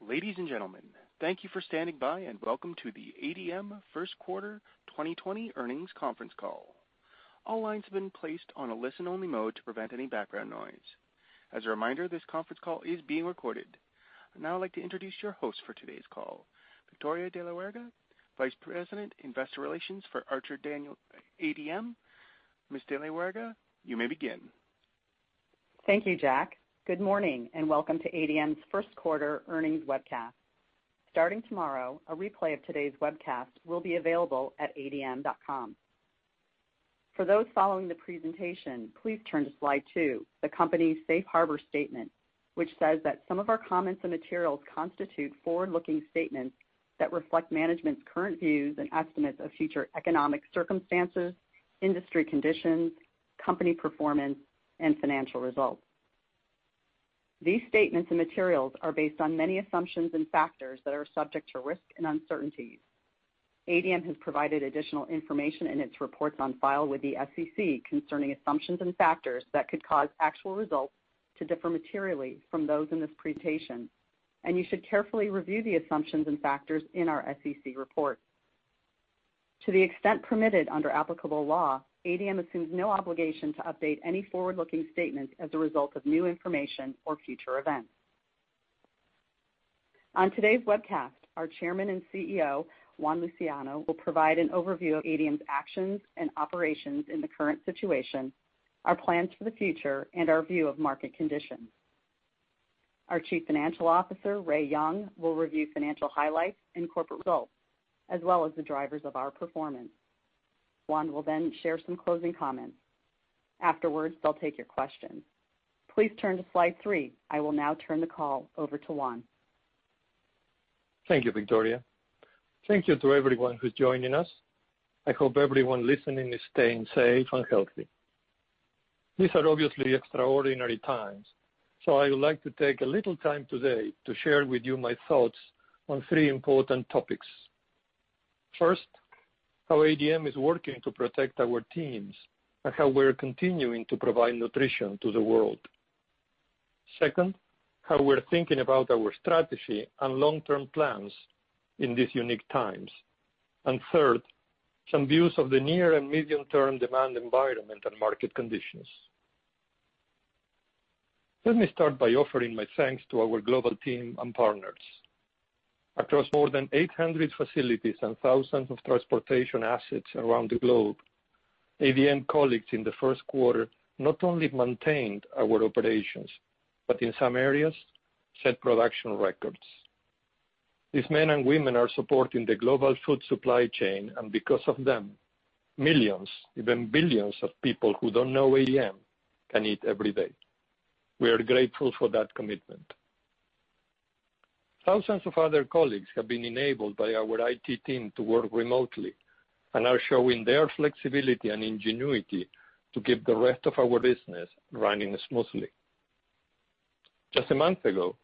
Ladies and gentlemen, thank you for standing by and welcome to the ADM First Quarter 2020 Earnings Conference Call. All lines have been placed on a listen-only mode to prevent any background noise. As a reminder, this conference call is being recorded. I'd now like to introduce your host for today's call, Victoria de la Huerga, Vice President, Investor Relations for Archer Daniels Midland Company, ADM. Ms. de la Huerga, you may begin. Thank you, Jack. Good morning and welcome to ADM's first quarter earnings webcast. Starting tomorrow, a replay of today's webcast will be available at adm.com. For those following the presentation, please turn to slide two, the company's safe harbor statement, which says that some of our comments and materials constitute forward-looking statements that reflect management's current views and estimates of future economic circumstances, industry conditions, company performance, and financial results. These statements and materials are based on many assumptions and factors that are subject to risks and uncertainties. ADM has provided additional information in its reports on file with the SEC concerning assumptions and factors that could cause actual results to differ materially from those in this presentation. You should carefully review the assumptions and factors in our SEC report. To the extent permitted under applicable law, ADM assumes no obligation to update any forward-looking statements as a result of new information or future events. On today's webcast, our Chairman and CEO, Juan Luciano, will provide an overview of ADM's actions and operations in the current situation, our plans for the future, and our view of market conditions. Our Chief Financial Officer, Ray Young, will review financial highlights and corporate results, as well as the drivers of our performance. Juan will then share some closing comments. Afterwards, they'll take your questions. Please turn to slide three. I will now turn the call over to Juan. Thank you, Victoria. Thank you to everyone who's joining us. I hope everyone listening is staying safe and healthy. These are obviously extraordinary times. I would like to take a little time today to share with you my thoughts on three important topics. First, how ADM is working to protect our teams and how we're continuing to provide nutrition to the world. Second, how we're thinking about our strategy and long-term plans in these unique times. Third, some views of the near and medium-term demand environment and market conditions. Let me start by offering my thanks to our global team and partners. Across more than 800 facilities and thousands of transportation assets around the globe, ADM colleagues in the first quarter not only maintained our operations but in some areas set production records. These men and women are supporting the global food supply chain. Because of them, millions, even billions of people who don't know ADM can eat every day. We are grateful for that commitment. Thousands of other colleagues have been enabled by our IT team to work remotely and are showing their flexibility and ingenuity to keep the rest of our business running smoothly. Just a month ago,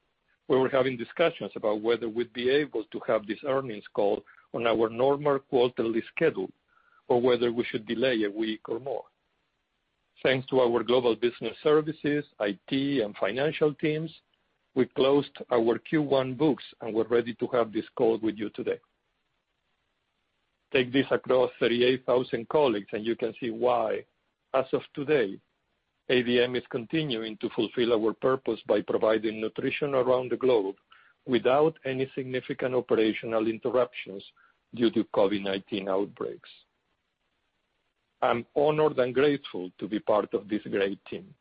we were having discussions about whether we'd be able to have this earnings call on our normal quarterly schedule or whether we should delay a week or more. Thanks to our global business services, IT, and financial teams, we closed our Q1 books and we're ready to have this call with you today. Take this across 38,000 colleagues and you can see why, as of today, ADM is continuing to fulfill our purpose by providing nutrition around the globe without any significant operational interruptions due to COVID-19 outbreaks. I'm honored and grateful to be part of this great team,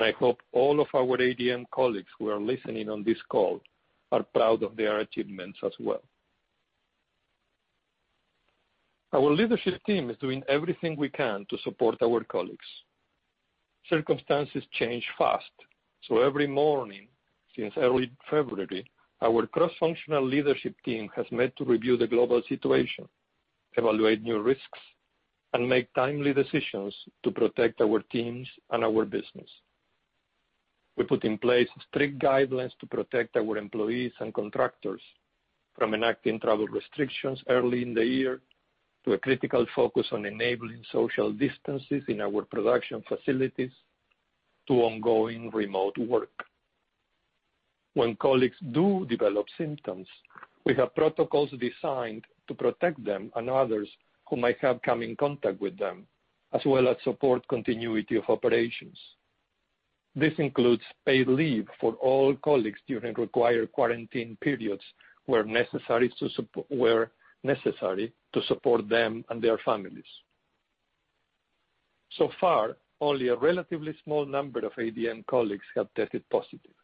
and I hope all of our ADM colleagues who are listening on this call are proud of their achievements as well. Our leadership team is doing everything we can to support our colleagues. Circumstances change fast. Every morning since early February, our cross-functional leadership team has met to review the global situation, evaluate new risks, and make timely decisions to protect our teams and our business. We put in place strict guidelines to protect our employees and contractors from enacting travel restrictions early in the year to a critical focus on enabling social distances in our production facilities to ongoing remote work. When colleagues do develop symptoms, we have protocols designed to protect them and others who might have come in contact with them, as well as support continuity of operations. This includes paid leave for all colleagues during required quarantine periods where necessary to support them and their families. So far, only a relatively small number of ADM colleagues have tested positive.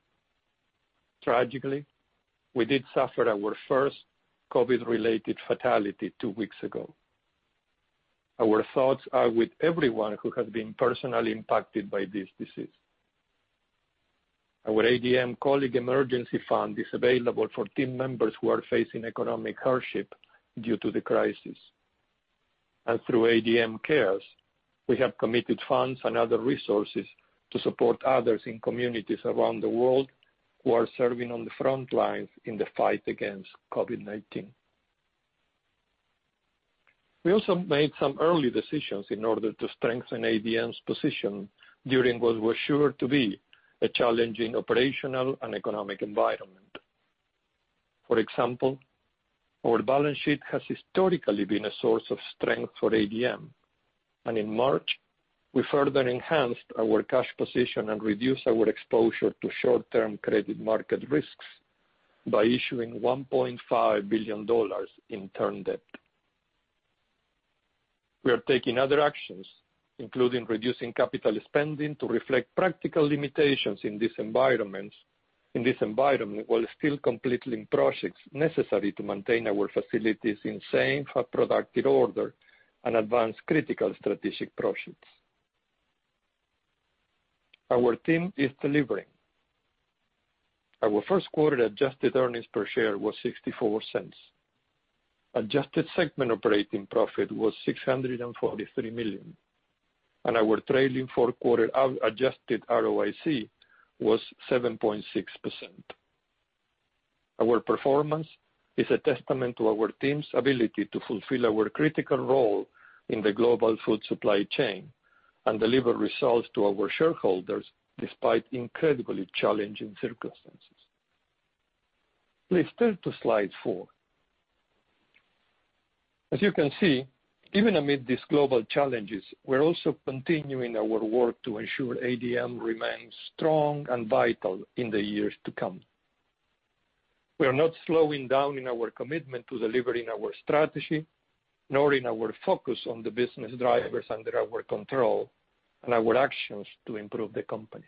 Tragically, we did suffer our first COVID-related fatality two weeks ago. Our thoughts are with everyone who has been personally impacted by this disease. Our ADM Colleague Emergency Fund is available for team members who are facing economic hardship due to the crisis. Through ADM Cares, we have committed funds and other resources to support others in communities around the world who are serving on the front lines in the fight against COVID-19. We also made some early decisions in order to strengthen ADM's position during what was sure to be a challenging operational and economic environment. For example, our balance sheet has historically been a source of strength for ADM, and in March, we further enhanced our cash position and reduced our exposure to short-term credit market risks by issuing $1.5 billion in term debt. We are taking other actions, including reducing capital spending to reflect practical limitations in this environment, while still completing projects necessary to maintain our facilities in safe and productive order and advance critical strategic projects. Our team is delivering. Our first quarter adjusted earnings per share was $0.64. Adjusted segment operating profit was $643 million, and our trailing four-quarter adjusted ROIC was 7.6%. Our performance is a testament to our team's ability to fulfill our critical role in the global food supply chain and deliver results to our shareholders, despite incredibly challenging circumstances. Please turn to slide four. As you can see, even amid these global challenges, we're also continuing our work to ensure ADM remains strong and vital in the years to come. We are not slowing down in our commitment to delivering our strategy, nor in our focus on the business drivers under our control and our actions to improve the company.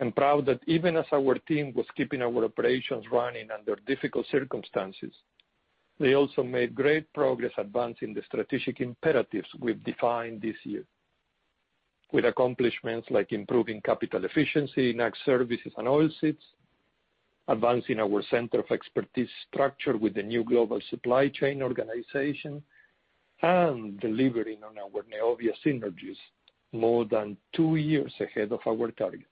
I'm proud that even as our team was keeping our operations running under difficult circumstances, they also made great progress advancing the strategic imperatives we've defined this year, with accomplishments like improving capital efficiency in Ag Services and Oilseeds, advancing our center of expertise structure with the new global supply chain organization, and delivering on our Neovia synergies more than two years ahead of our target.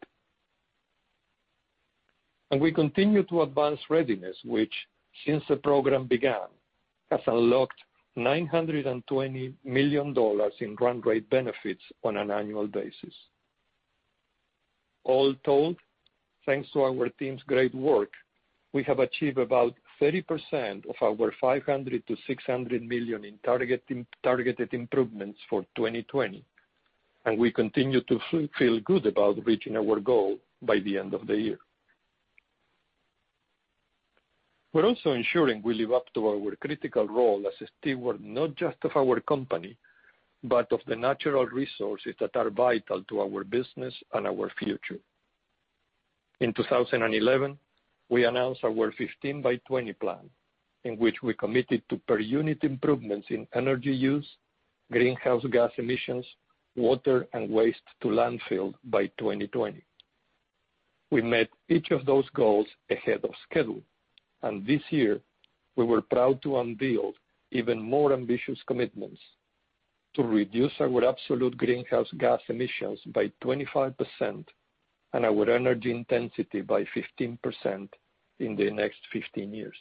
We continue to advance Readiness, which, since the program began, has unlocked $920 million in run rate benefits on an annual basis. All told, thanks to our team's great work, we have achieved about 30% of our $500 million-$600 million in targeted improvements for 2020, and we continue to feel good about reaching our goal by the end of the year. We're also ensuring we live up to our critical role as a steward, not just of our company, but of the natural resources that are vital to our business and our future. In 2011, we announced our 15 by 20 plan, in which we committed to per unit improvements in energy use, greenhouse gas emissions, water, and waste to landfill by 2020. We met each of those goals ahead of schedule, and this year, we were proud to unveil even more ambitious commitments to reduce our absolute greenhouse gas emissions by 25% and our energy intensity by 15% in the next 15 years.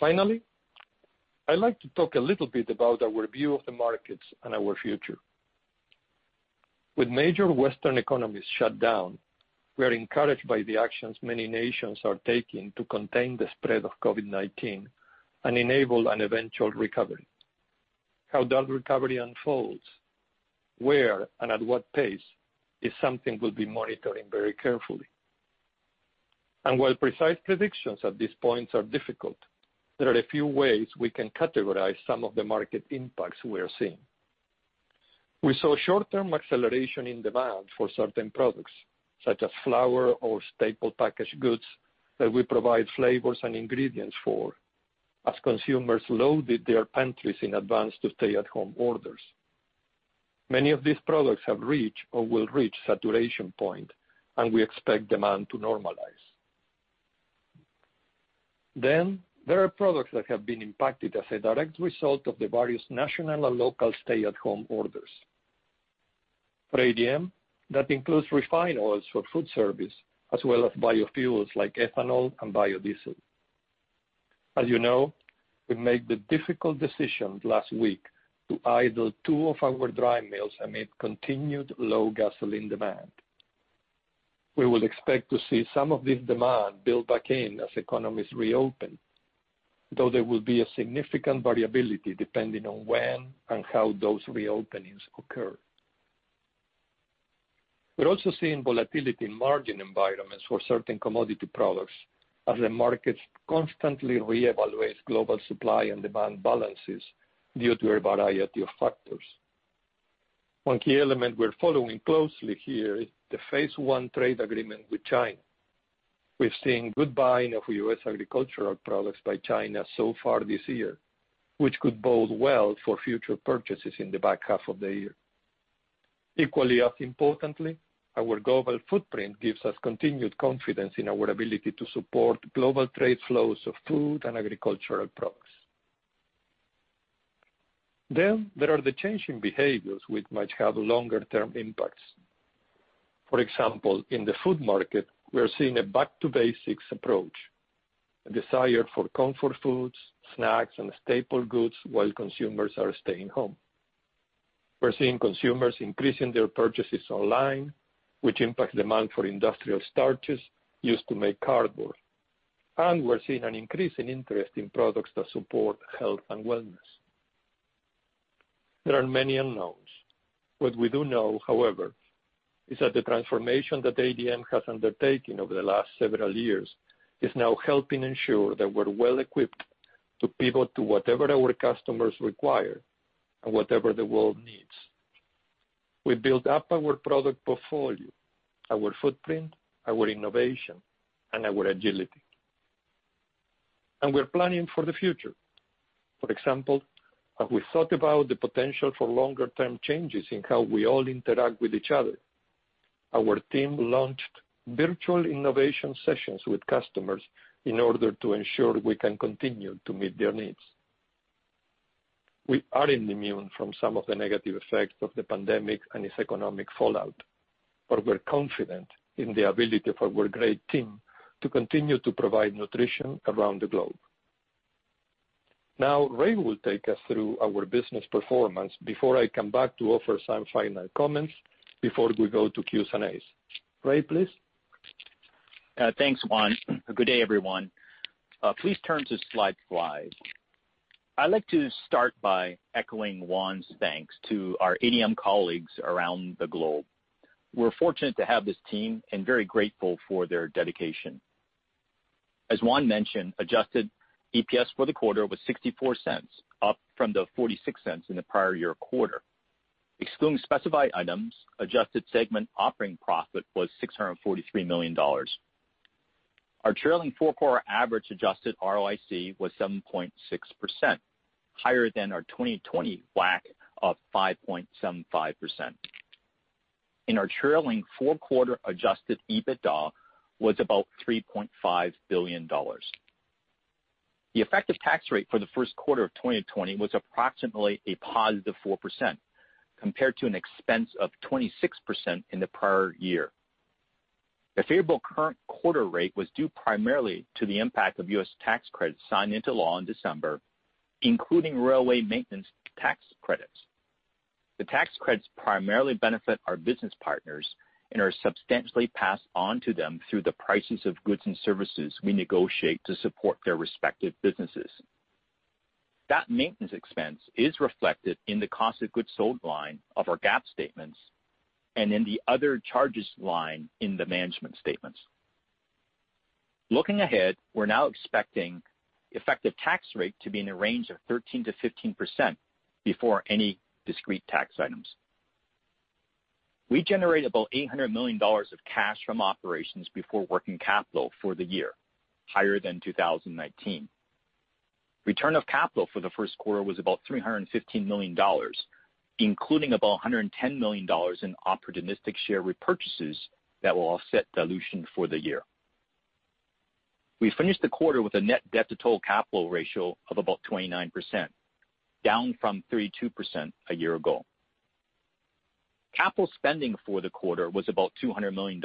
Finally, I'd like to talk a little bit about our view of the markets and our future. With major Western economies shut down, we are encouraged by the actions many nations are taking to contain the spread of COVID-19 and enable an eventual recovery. How that recovery unfolds, where and at what pace, is something we'll be monitoring very carefully. While precise predictions at this point are difficult, there are a few ways we can categorize some of the market impacts we are seeing. We saw short-term acceleration in demand for certain products, such as flour or staple packaged goods that we provide flavors and ingredients for, as consumers loaded their pantries in advance to stay-at-home orders. Many of these products have reached or will reach saturation point, and we expect demand to normalize. There are products that have been impacted as a direct result of the various national and local stay-at-home orders. For ADM, that includes refined oils for food service, as well as biofuels like ethanol and biodiesel. As you know, we made the difficult decision last week to idle two of our dry mills amid continued low gasoline demand. We will expect to see some of this demand build back in as economies reopen, though there will be a significant variability depending on when and how those reopenings occur. We're also seeing volatility in margin environments for certain commodity products as the market constantly reevaluates global supply and demand balances due to a variety of factors. One key element we're following closely here is the Phase One trade agreement with China. We're seeing good buying of U.S. agricultural products by China so far this year, which could bode well for future purchases in the back half of the year. Equally as importantly, our global footprint gives us continued confidence in our ability to support global trade flows of food and agricultural goods. There are the changing behaviors which might have longer-term impacts. For example, in the food market, we are seeing a back-to-basics approach, a desire for comfort foods, snacks, and staple goods while consumers are staying home. We're seeing consumers increasing their purchases online, which impacts demand for industrial starches used to make cardboard. We're seeing an increase in interest in products that support health and wellness. There are many unknowns. What we do know, however, is that the transformation that ADM has undertaken over the last several years is now helping ensure that we're well-equipped to pivot to whatever our customers require and whatever the world needs. We built up our product portfolio, our footprint, our innovation, and our agility. We're planning for the future. For example, as we thought about the potential for longer-term changes in how we all interact with each other, our team launched virtual innovation sessions with customers in order to ensure we can continue to meet their needs. We aren't immune from some of the negative effects of the pandemic and its economic fallout, but we're confident in the ability of our great team to continue to provide nutrition around the globe. Ray will take us through our business performance before I come back to offer some final comments before we go to Q&As. Ray, please. Thanks, Juan. Good day, everyone. Please turn to slide five. I'd like to start by echoing Juan's thanks to our ADM colleagues around the globe. We're fortunate to have this team and very grateful for their dedication. As Juan mentioned, adjusted EPS for the quarter was $0.64, up from the $0.46 in the prior year quarter. Excluding specified items, adjusted segment operating profit was $643 million. Our trailing four-quarter average adjusted ROIC was 7.6%, higher than our 2020 WACC of 5.75%. Our trailing four-quarter adjusted EBITDA was about $3.5 billion. The effective tax rate for the first quarter of 2020 was approximately a +4%, compared to an expense of 26% in the prior year. The favorable current quarter rate was due primarily to the impact of U.S. tax credits signed into law in December, including railway maintenance tax credits. The tax credits primarily benefit our business partners and are substantially passed on to them through the prices of goods and services we negotiate to support their respective businesses. That maintenance expense is reflected in the cost of goods sold line of our GAAP statements and in the other charges line in the management statements. Looking ahead, we're now expecting the effective tax rate to be in the range of 13%-15% before any discrete tax items. We generated about $800 million of cash from operations before working capital for the year, higher than 2019. Return of capital for the first quarter was about $315 million, including about $110 million in opportunistic share repurchases that will offset dilution for the year. We finished the quarter with a net debt to total capital ratio of about 29%, down from 32% a year ago. Capital spending for the quarter was about $200 million.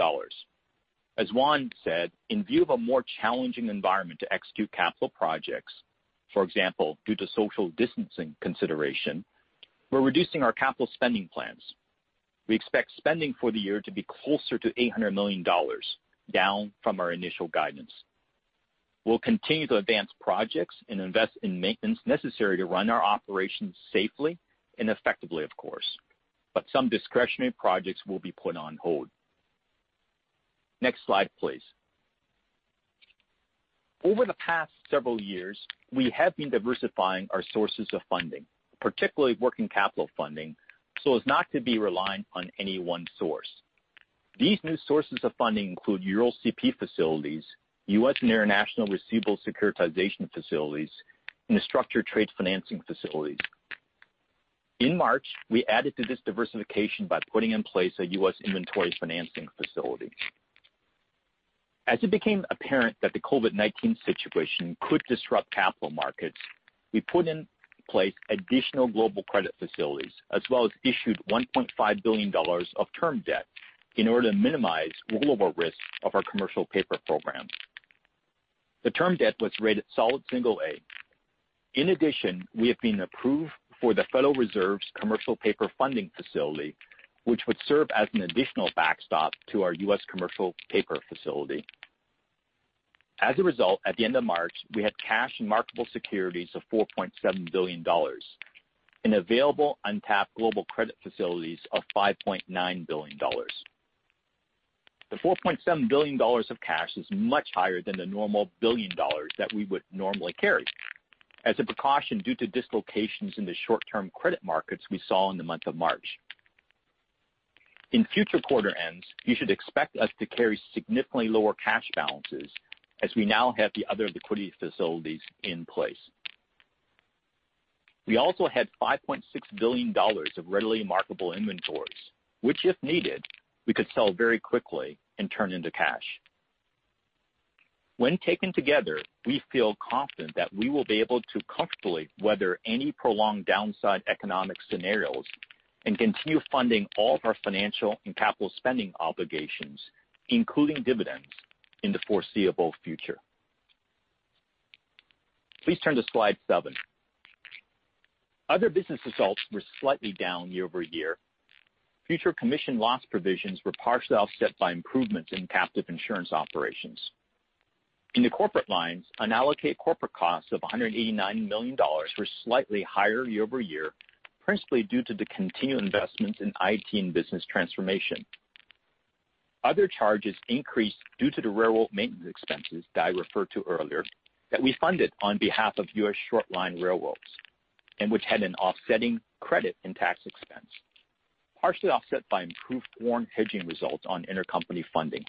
As Juan said, in view of a more challenging environment to execute capital projects, for example, due to social distancing consideration, we're reducing our capital spending plans. We expect spending for the year to be closer to $800 million, down from our initial guidance. We'll continue to advance projects and invest in maintenance necessary to run our operations safely and effectively, of course. Some discretionary projects will be put on hold. Next slide, please. Over the past several years, we have been diversifying our sources of funding, particularly working capital funding, so as not to be reliant on any one source. These new sources of funding include Euro CP facilities, U.S. and international receivable securitization facilities, and structured trade financing facilities. In March, we added to this diversification by putting in place a U.S. inventory financing facility. As it became apparent that the COVID-19 situation could disrupt capital markets, we put in place additional global credit facilities as well as issued $1.5 billion of term debt in order to minimize rollover risk of our commercial paper programs. The term debt was rated solid single A. In addition, we have been approved for the Federal Reserve's commercial paper funding facility, which would serve as an additional backstop to our U.S. commercial paper facility. As a result, at the end of March, we had cash and marketable securities of $4.7 billion and available untapped global credit facilities of $5.9 billion. The $4.7 billion of cash is much higher than the normal billion dollars that we would normally carry as a precaution due to dislocations in the short-term credit markets we saw in the month of March. In future quarter ends, you should expect us to carry significantly lower cash balances as we now have the other liquidity facilities in place. We also had $5.6 billion of readily marketable inventories, which, if needed, we could sell very quickly and turn into cash. When taken together, we feel confident that we will be able to comfortably weather any prolonged downside economic scenarios and continue funding all of our financial and capital spending obligations, including dividends, in the foreseeable future. Please turn to slide seven. Other business results were slightly down year-over-year. Future commission loss provisions were partially offset by improvements in captive insurance operations. In the corporate lines, unallocated corporate costs of $189 million were slightly higher year-over-year, principally due to the continued investments in IT and business transformation. Other charges increased due to the railroad maintenance expenses that I referred to earlier that we funded on behalf of U.S. Short Line railroads, and which had an offsetting credit in tax expense, partially offset by improved foreign hedging results on intercompany funding.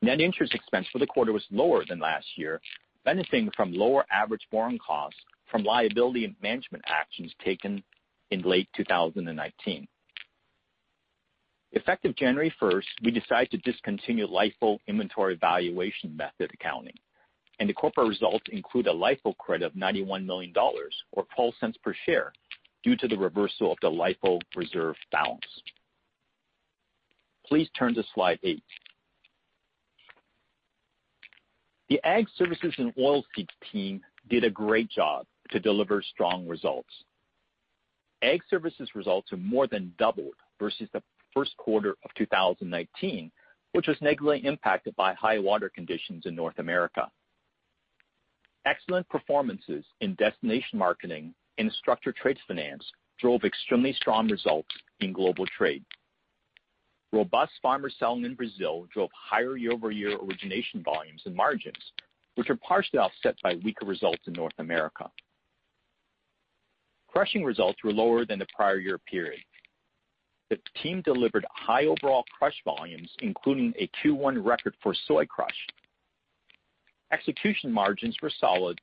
Net interest expense for the quarter was lower than last year, benefiting from lower average borrowing costs from liability management actions taken in late 2019. Effective January 1st, we decided to discontinue LIFO inventory valuation method accounting, and the corporate results include a LIFO credit of $91 million or $0.12 per share due to the reversal of the LIFO reserve balance. Please turn to slide eight. The Ag Services and Oilseeds team did a great job to deliver strong results. Ag Services results have more than doubled versus the first quarter of 2019, which was negatively impacted by high water conditions in North America. Excellent performances in destination marketing and structured trade finance drove extremely strong results in global trade. Robust farmer selling in Brazil drove higher year-over-year origination volumes and margins, which were partially offset by weaker results in North America. Crushing results were lower than the prior year period. The team delivered high overall crush volumes, including a Q1 record for soy crush. Execution margins were solid,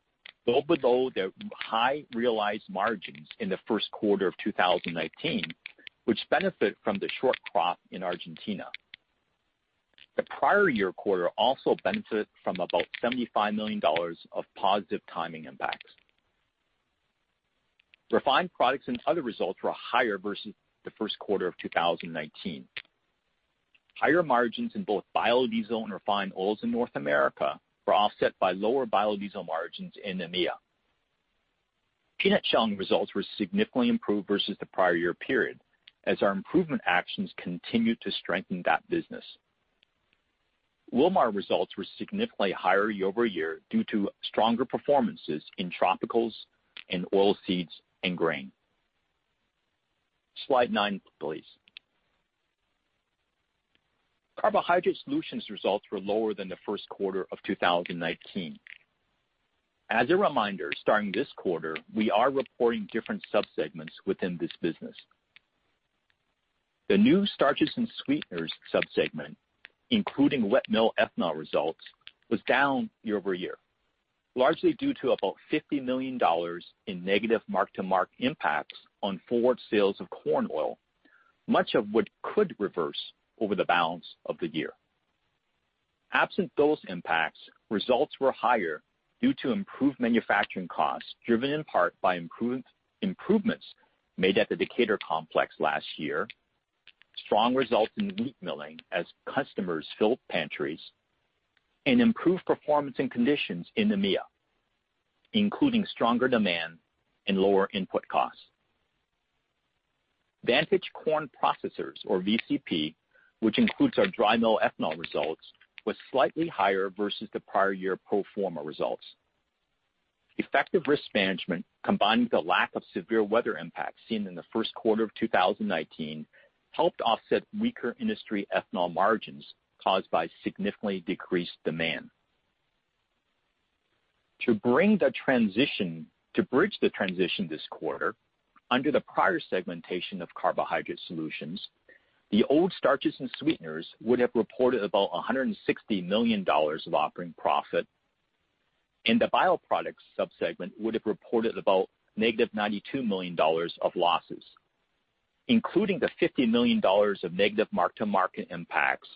though below their high realized margins in the first quarter of 2019, which benefit from the short crop in Argentina. The prior year quarter also benefited from about $75 million of positive timing impacts. Refined Products and Other results were higher versus the first quarter of 2019. Higher margins in both biodiesel and refined oils in North America were offset by lower biodiesel margins in EMEA. Peanut shelling results were significantly improved versus the prior year period as our improvement actions continued to strengthen that business. Wilmar results were significantly higher year-over-year due to stronger performances in tropicals and oilseeds and grain. Slide nine, please. Carbohydrate Solutions results were lower than the first quarter of 2019. As a reminder, starting this quarter, we are reporting different sub-segments within this business. The new starches and sweeteners sub-segment, including wet mill ethanol results, was down year-over-year, largely due to about $50 million in negative mark-to-market impacts on forward sales of corn oil, much of what could reverse over the balance of the year. Absent those impacts, results were higher due to improved manufacturing costs, driven in part by improvements made at the Decatur complex last year, strong results in wheat milling as customers filled pantries, and improved performance and conditions in EMEA, including stronger demand and lower input costs. Vantage Corn Processors, or VCP, which includes our dry mill ethanol results, was slightly higher versus the prior year pro forma results. Effective risk management, combined with the lack of severe weather impacts seen in the first quarter of 2019, helped offset weaker industry ethanol margins caused by significantly decreased demand. To bridge the transition this quarter, under the prior segmentation of Carbohydrate Solutions, the old starches and sweeteners would have reported about $160 million of operating profit, and the bioproducts sub-segment would have reported about negative $92 million of losses, including the $50 million of negative mark-to-market impacts,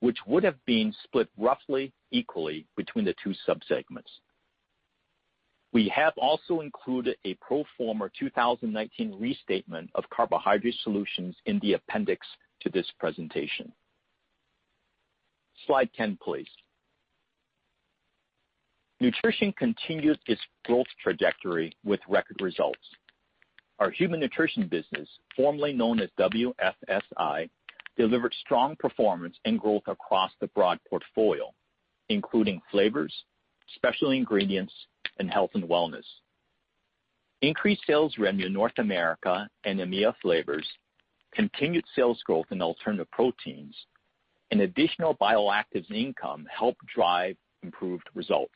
which would have been split roughly equally between the two sub-segments. We have also included a pro forma 2019 restatement of Carbohydrate Solutions in the appendix to this presentation. Slide 10, please. Nutrition continued its growth trajectory with record results. Our human nutrition business, formerly known as WFSI, delivered strong performance and growth across the broad portfolio, including flavors, specialty ingredients, and health and wellness. Increased sales revenue in North America and EMEA flavors, continued sales growth in alternative proteins, and additional bioactives income helped drive improved results.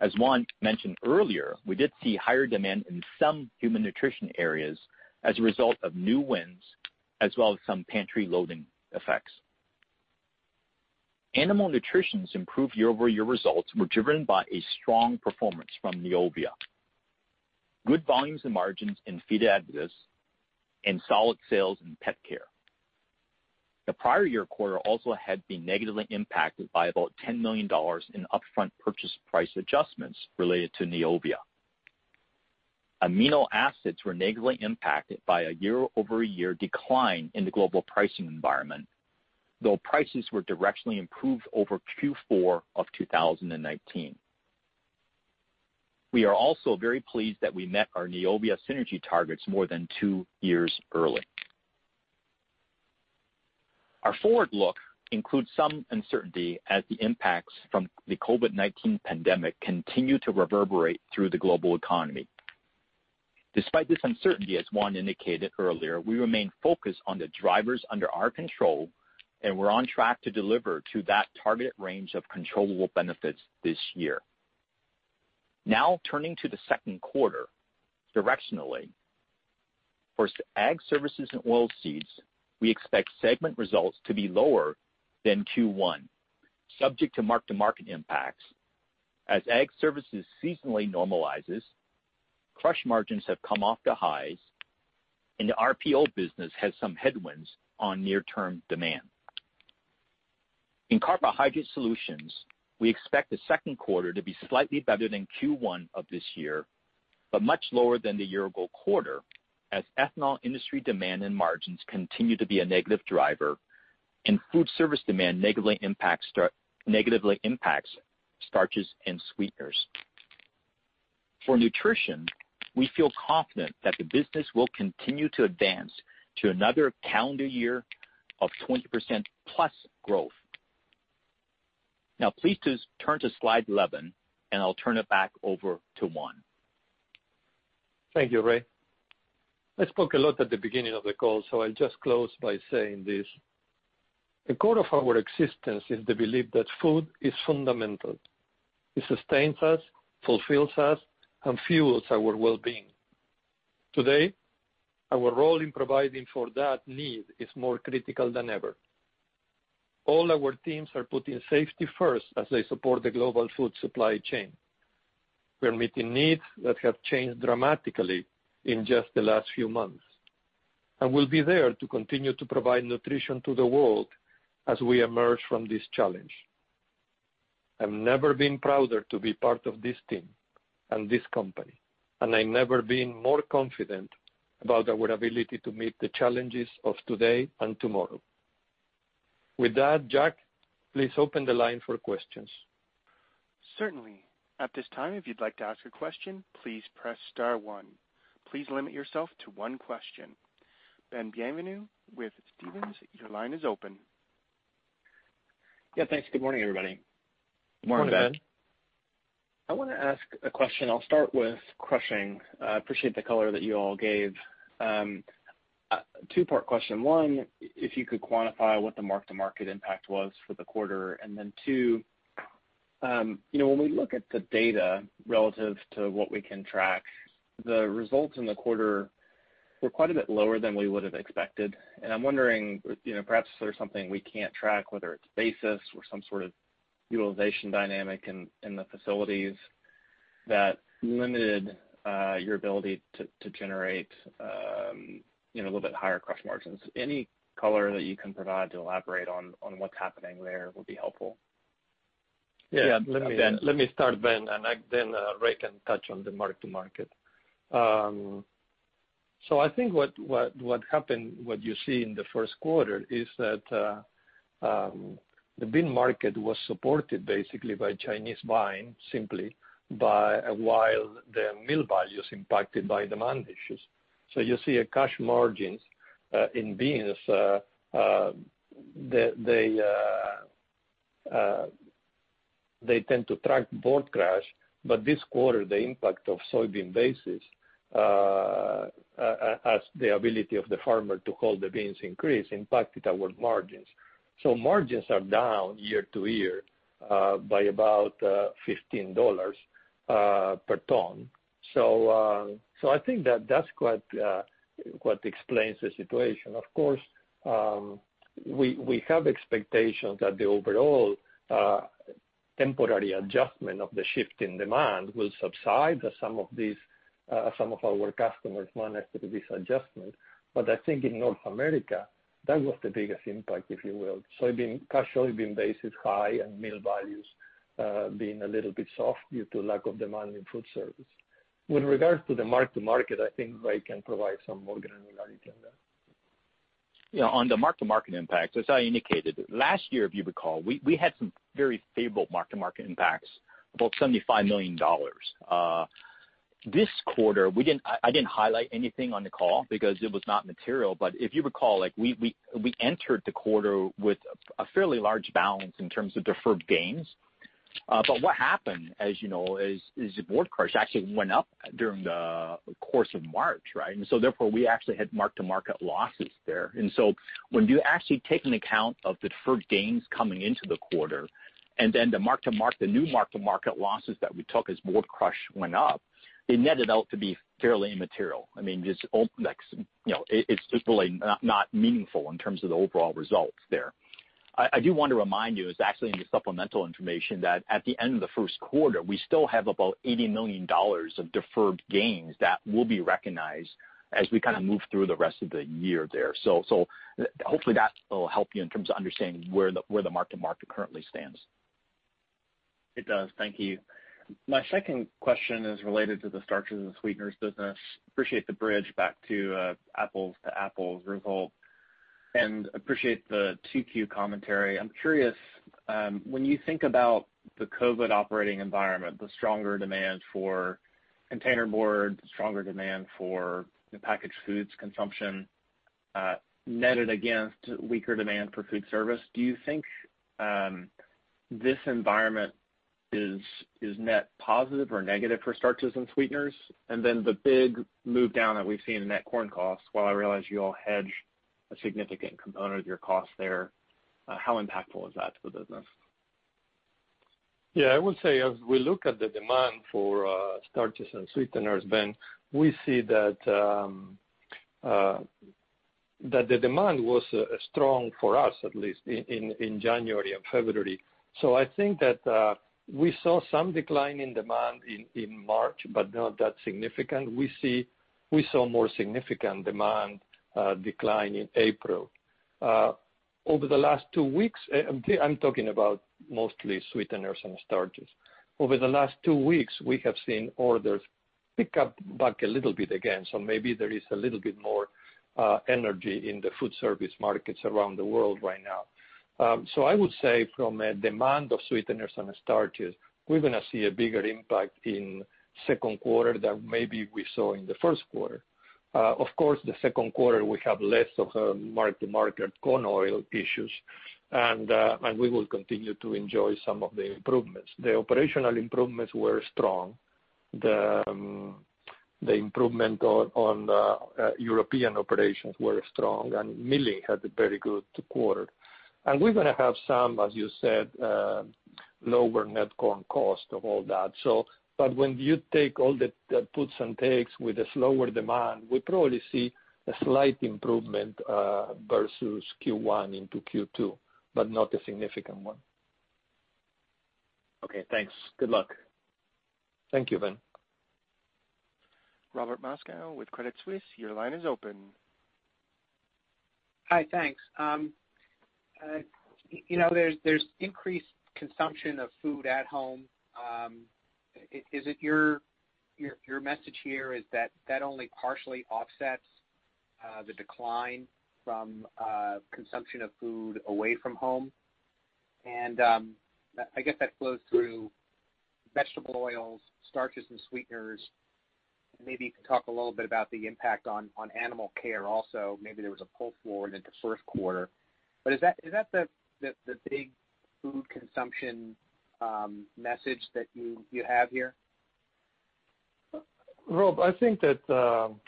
As Juan mentioned earlier, we did see higher demand in some human nutrition areas as a result of new wins, as well as some pantry loading effects. Animal Nutrition's improved year-over-year results were driven by a strong performance from Neovia. Good volumes and margins in feed additives and solid sales in pet care. The prior year quarter also had been negatively impacted by about $10 million in upfront purchase price adjustments related to Neovia. Amino acids were negatively impacted by a year-over-year decline in the global pricing environment, though prices were directionally improved over Q4 of 2019. We are also very pleased that we met our Neovia synergy targets more than two years early. Our forward look includes some uncertainty as the impacts from the COVID-19 pandemic continue to reverberate through the global economy. Despite this uncertainty, as Juan indicated earlier, we remain focused on the drivers under our control, and we're on track to deliver to that targeted range of controllable benefits this year. Now, turning to the second quarter directionally. For Ag Services and Oilseeds, we expect segment results to be lower than Q1, subject to mark-to-market impacts as Ag Services seasonally normalizes, crush margins have come off the highs, and the RPO business has some headwinds on near-term demand. In Carbohydrate Solutions, we expect the second quarter to be slightly better than Q1 of this year, but much lower than the year-ago quarter, as ethanol industry demand and margins continue to be a negative driver and food service demand negatively impacts starches and sweeteners. For Nutrition, we feel confident that the business will continue to advance to another calendar year of 20% plus growth. Now please turn to slide 11, and I'll turn it back over to Juan. Thank you, Ray. I spoke a lot at the beginning of the call, so I'll just close by saying this. The core of our existence is the belief that food is fundamental. It sustains us, fulfills us, and fuels our well-being. Today, our role in providing for that need is more critical than ever. All our teams are putting safety first as they support the global food supply chain. We're meeting needs that have changed dramatically in just the last few months, and we'll be there to continue to provide nutrition to the world as we emerge from this challenge. I've never been prouder to be part of this team and this company, and I've never been more confident about our ability to meet the challenges of today and tomorrow. With that, Jack, please open the line for questions. Certainly. At this time, if you'd like to ask a question, please press *1. Please limit yourself to one question. Ben Bienvenu with Stephens, your line is open. Yeah, thanks. Good morning, everybody. Morning, Ben. Morning. I want to ask a question. I'll start with crushing. I appreciate the color that you all gave. Two-part question. One, if you could quantify what the mark-to-market impact was for the quarter. Two, when we look at the data relative to what we can track, the results in the quarter were quite a bit lower than we would have expected. I'm wondering, perhaps there's something we can't track, whether it's basis or some sort of utilization dynamic in the facilities that limited your ability to generate a little bit higher crush margins. Any color that you can provide to elaborate on what's happening there would be helpful. Yeah. Let me start, Ben, and then Ray can touch on the mark-to-market. I think what happened, what you see in the first quarter is that the bean market was supported basically by Chinese buying simply by a while the mill value is impacted by demand issues. You see cash margins in beans, they tend to track board crush, but this quarter, the impact of soybean basis, as the ability of the farmer to hold the beans increase, impacted our margins. Margins are down year-over-year by about $15 per ton. I think that's what explains the situation. Of course, we have expectations that the overall temporary adjustment of the shift in demand will subside as some of our customers manage this adjustment. I think in North America, that was the biggest impact, if you will. Cash soybean basis high and mill values being a little bit soft due to lack of demand in food service. With regards to the mark-to-market, I think Ray can provide some more granularity on that. Yeah, on the mark-to-market impact, as I indicated, last year, if you recall, we had some very favorable mark-to-market impacts, about $75 million. This quarter, I didn't highlight anything on the call because it was not material, but if you recall, we entered the quarter with a fairly large balance in terms of deferred gains. what happened, as you know, is the board crush actually went up during the course of March, right? therefore, we actually had mark-to-market losses there. when you actually take an account of the deferred gains coming into the quarter and then the new mark-to-market losses that we took as board crush went up, it netted out to be fairly immaterial. It's really not meaningful in terms of the overall results there. I do want to remind you, it's actually in the supplemental information, that at the end of the first quarter, we still have about $80 million of deferred gains that will be recognized as we kind of move through the rest of the year there. Hopefully that will help you in terms of understanding where the mark-to-market currently stands. It does. Thank you. My second question is related to the starches and sweeteners business. Appreciate the bridge back to apples to apples result, and appreciate the 2Q commentary. I'm curious, when you think about the COVID operating environment, the stronger demand for container board, the stronger demand for the packaged foods consumption, netted against weaker demand for food service, do you think this environment is net positive or negative for starches and sweeteners? The big move down that we've seen in net corn costs, while I realize you all hedge a significant component of your cost there, how impactful is that to the business? Yeah, I would say as we look at the demand for starches and sweeteners, Ben, we see that the demand was strong for us, at least, in January and February. I think that we saw some decline in demand in March, but not that significant. We saw more significant demand decline in April. Over the last two weeks, I'm talking about mostly sweeteners and starches. Over the last two weeks, we have seen orders pick up back a little bit again. Maybe there is a little bit more energy in the food service markets around the world right now. I would say from a demand of sweeteners and starches, we're going to see a bigger impact in second quarter than maybe we saw in the first quarter. Of course, the second quarter, we have less of a mark-to-market corn oil issues, and we will continue to enjoy some of the improvements. The operational improvements were strong. The improvement on European operations were strong, and milling had a very good quarter. We're going to have some, as you said, lower net corn cost of all that. When you take all the puts and takes with a slower demand, we probably see a slight improvement versus Q1 into Q2, but not a significant one. Okay, thanks. Good luck. Thank you, Ben. Robert Moskow with Credit Suisse, your line is open. Hi, thanks. There's increased consumption of food at home. Is it your message here is that only partially offsets the decline from consumption of food away from home? I guess that flows through vegetable oils, starches and sweeteners. Maybe you could talk a little bit about the impact on animal care also. Maybe there was a pull forward into first quarter. Is that the big food consumption message that you have here? Rob, I think that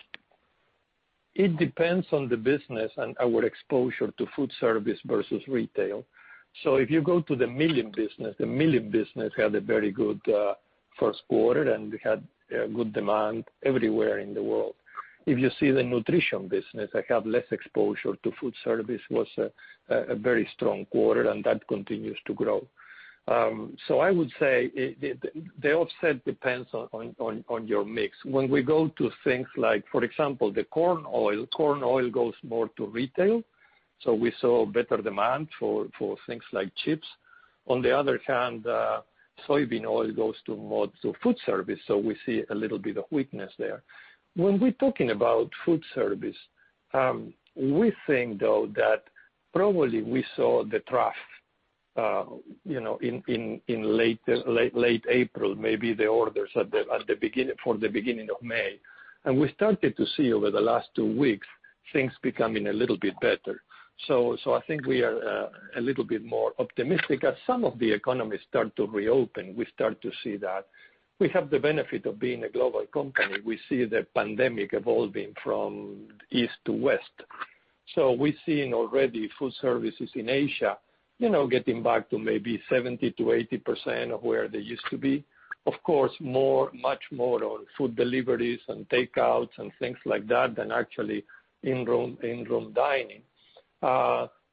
it depends on the business and our exposure to food service versus retail. If you go to the milling business, the milling business had a very good first quarter, and we had good demand everywhere in the world. If you see the nutrition business, that have less exposure to food service, was a very strong quarter, and that continues to grow. I would say, the offset depends on your mix. When we go to things like, for example, the corn oil, corn oil goes more to retail. We saw better demand for things like chips. On the other hand, soybean oil goes to more to food service, so we see a little bit of weakness there. When we're talking about food service, we think, though, that probably we saw the trough in late April, maybe the orders for the beginning of May. we started to see over the last two weeks, things becoming a little bit better. I think we are a little bit more optimistic. As some of the economies start to reopen, we start to see that. We have the benefit of being a global company. We see the pandemic evolving from east to west. we're seeing already food services in Asia getting back to maybe 70% to 80% of where they used to be. Of course, much more on food deliveries and takeouts and things like that than actually in-room dining.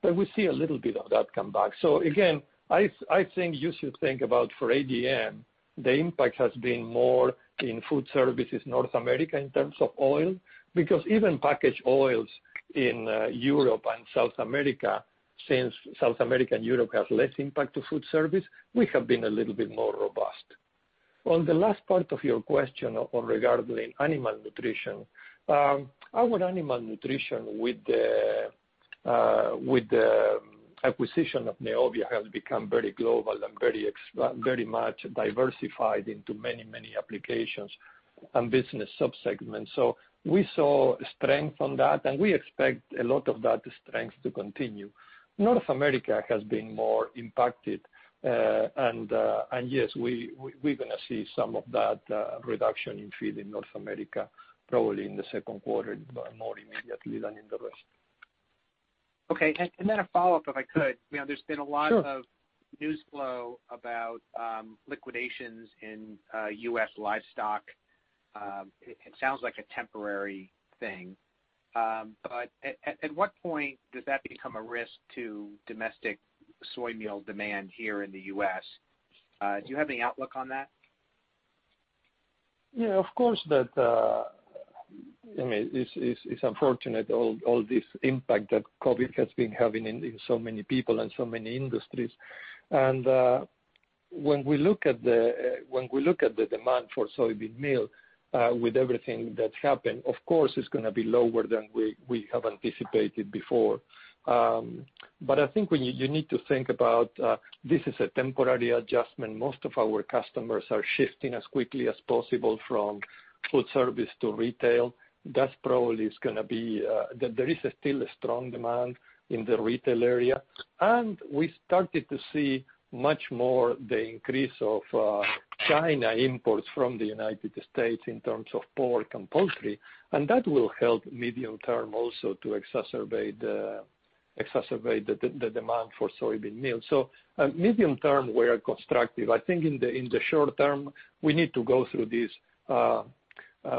we see a little bit of that come back. Again, I think you should think about for ADM, the impact has been more in food services North America in terms of oil, because even packaged oils in Europe and South America, since South America and Europe has less impact to food service, we have been a little bit more robust. On the last part of your question on regarding animal nutrition, our animal nutrition with the acquisition of Neovia, has become very global and very much diversified into many applications and business subsegments. We saw strength on that, and we expect a lot of that strength to continue. North America has been more impacted. Yes, we're going to see some of that reduction in feed in North America, probably in the second quarter, more immediately than in the rest. Okay. A follow-up, if I could. Sure. There's been a lot of news flow about liquidations in U.S. livestock. It sounds like a temporary thing. At what point does that become a risk to domestic soy meal demand here in the U.S.? Do you have any outlook on that? Yeah. It's unfortunate all this impact that COVID has been having in so many people and so many industries. When we look at the demand for soybean meal, with everything that's happened, of course, it's going to be lower than we have anticipated before. I think you need to think about this as a temporary adjustment. Most of our customers are shifting as quickly as possible from food service to retail. There is still a strong demand in the retail area. We started to see much more the increase of China imports from the United States in terms of pork and poultry, and that will help medium-term also to exacerbate the demand for soybean meal. Medium-term, we're constructive. I think in the short-term, we need to go through this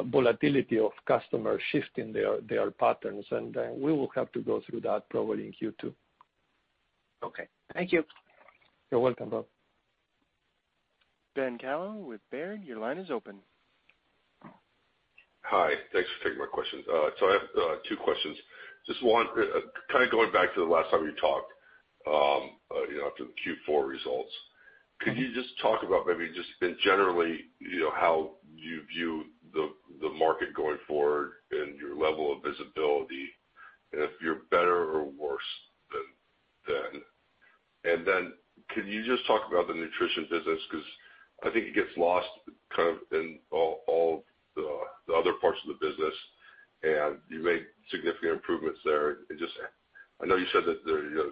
volatility of customer shifting their patterns, and we will have to go through that probably in Q2. Okay. Thank you. You're welcome, Bob. Ben Galloway with Barclays, your line is open. Hi. Thanks for taking my questions. I have two questions. Just one, kind of going back to the last time we talked, after the Q4 results. Could you just talk about maybe just generally, how you view the market going forward and your level of visibility, and if you're better or worse than then? can you just talk about the nutrition business, because I think it gets lost kind of in all the other parts of the business. You made significant improvements there. I know you said that the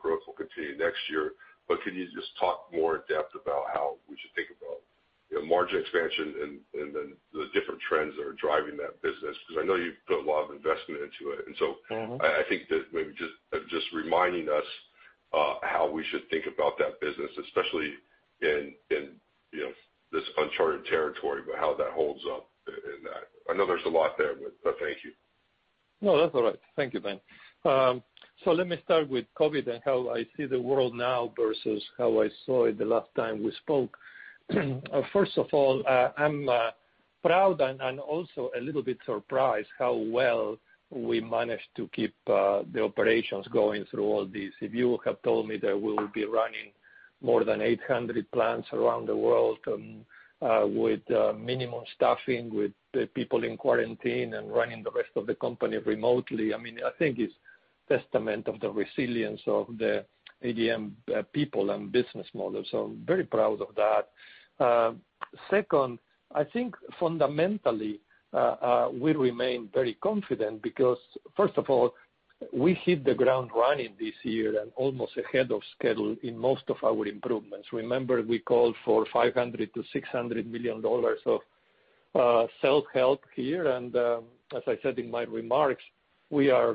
growth will continue next year, but can you just talk more in depth about how we should think about margin expansion and then the different trends that are driving that business? Because I know you've put a lot of investment into it. I think that maybe just reminding us how we should think about that business, especially in this uncharted territory, but how that holds up in that. I know there's a lot there, but thank you. No, that's all right. Thank you, Ben. Let me start with COVID and how I see the world now versus how I saw it the last time we spoke. First of all, I'm proud and also a little bit surprised how well we managed to keep the operations going through all this. If you have told me that we'll be running more than 800 plants around the world with minimum staffing, with people in quarantine and running the rest of the company remotely, I think it's testament of the resilience of the ADM people and business model. Very proud of that. Second, I think fundamentally, we remain very confident because, first of all, we hit the ground running this year and almost ahead of schedule in most of our improvements. Remember, we called for $500 million-$600 million of self-help here and, as I said in my remarks, we are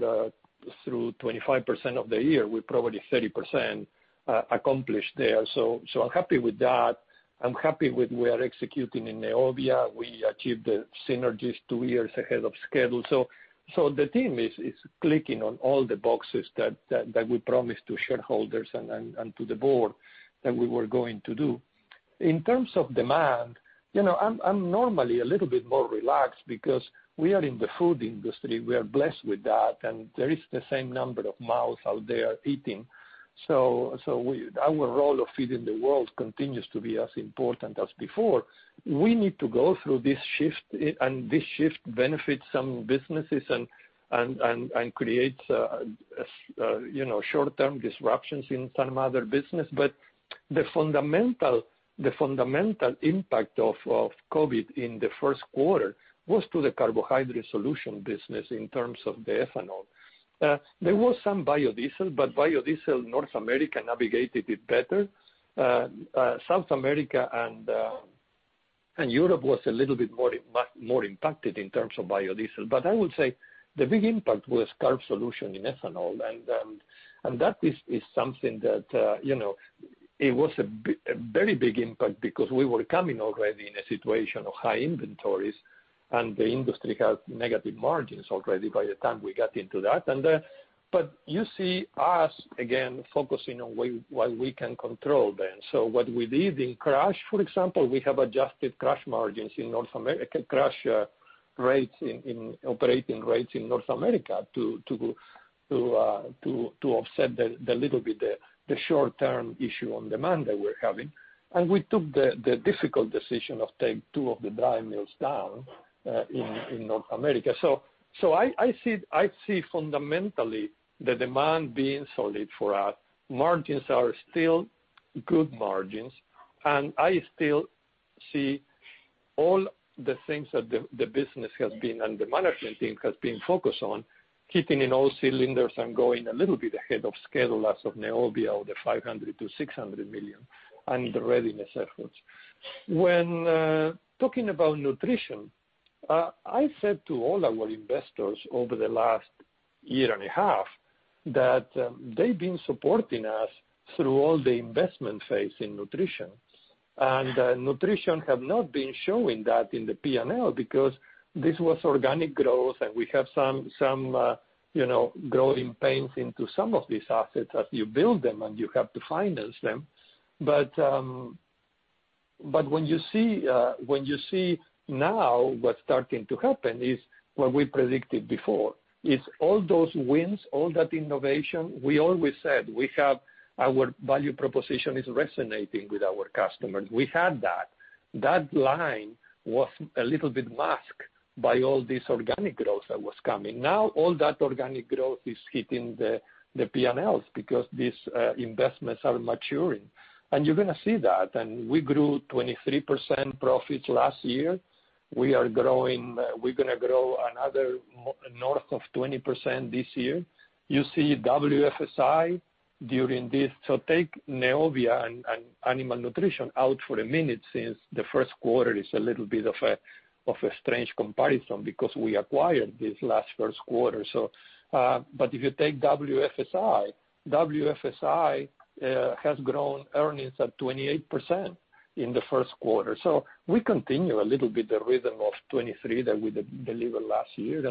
through 25% of the year. We're probably 30% accomplished there. I'm happy with that. I'm happy with we are executing in Neovia. We achieved the synergies two years ahead of schedule. The team is clicking on all the boxes that we promised to shareholders and to the board that we were going to do. In terms of demand, I'm normally a little bit more relaxed because we are in the food industry. We are blessed with that, and there is the same number of mouths out there eating. Our role of feeding the world continues to be as important as before. We need to go through this shift, and this shift benefits some businesses and creates short-term disruptions in some other business. the fundamental impact of COVID in the first quarter was to the carbohydrate solution business in terms of the ethanol. There was some biodiesel, but biodiesel North America navigated it better. South America and Europe was a little bit more impacted in terms of biodiesel. I would say the big impact was carb solution in ethanol, and that is something that it was a very big impact because we were coming already in a situation of high inventories, and the industry had negative margins already by the time we got into that. you see us, again, focusing on what we can control then. what we did in crush, for example, we have adjusted crush margins in North America, crush operating rates in North America to offset the little bit, the short-term issue on demand that we're having. We took the difficult decision of take two of the dry mills down in North America. I see fundamentally the demand being solid for us. Margins are still good margins, and I still see all the things that the business has been, and the management team has been focused on hitting in all cylinders and going a little bit ahead of schedule as of Neovia or the $500 million-$600 million, and the Readiness efforts. When talking about Nutrition I said to all our investors over the last year and a half that they've been supporting us through all the investment phase in Nutrition. Nutrition have not been showing that in the P&L because this was organic growth, and we have some growing pains into some of these assets as you build them, and you have to finance them. When you see now what's starting to happen is what we predicted before, is all those wins, all that innovation, we always said our value proposition is resonating with our customers. We had that. That line was a little bit masked by all this organic growth that was coming. Now all that organic growth is hitting the P&Ls because these investments are maturing. You're going to see that. We grew 23% profits last year. We're going to grow another north of 20% this year. You see WFSI during this. Take Neovia and Animal Nutrition out for a minute since the first quarter is a little bit of a strange comparison because we acquired this last first quarter. If you take WFSI has grown earnings at 28% in the first quarter. We continue a little bit the rhythm of '23 that we delivered last year.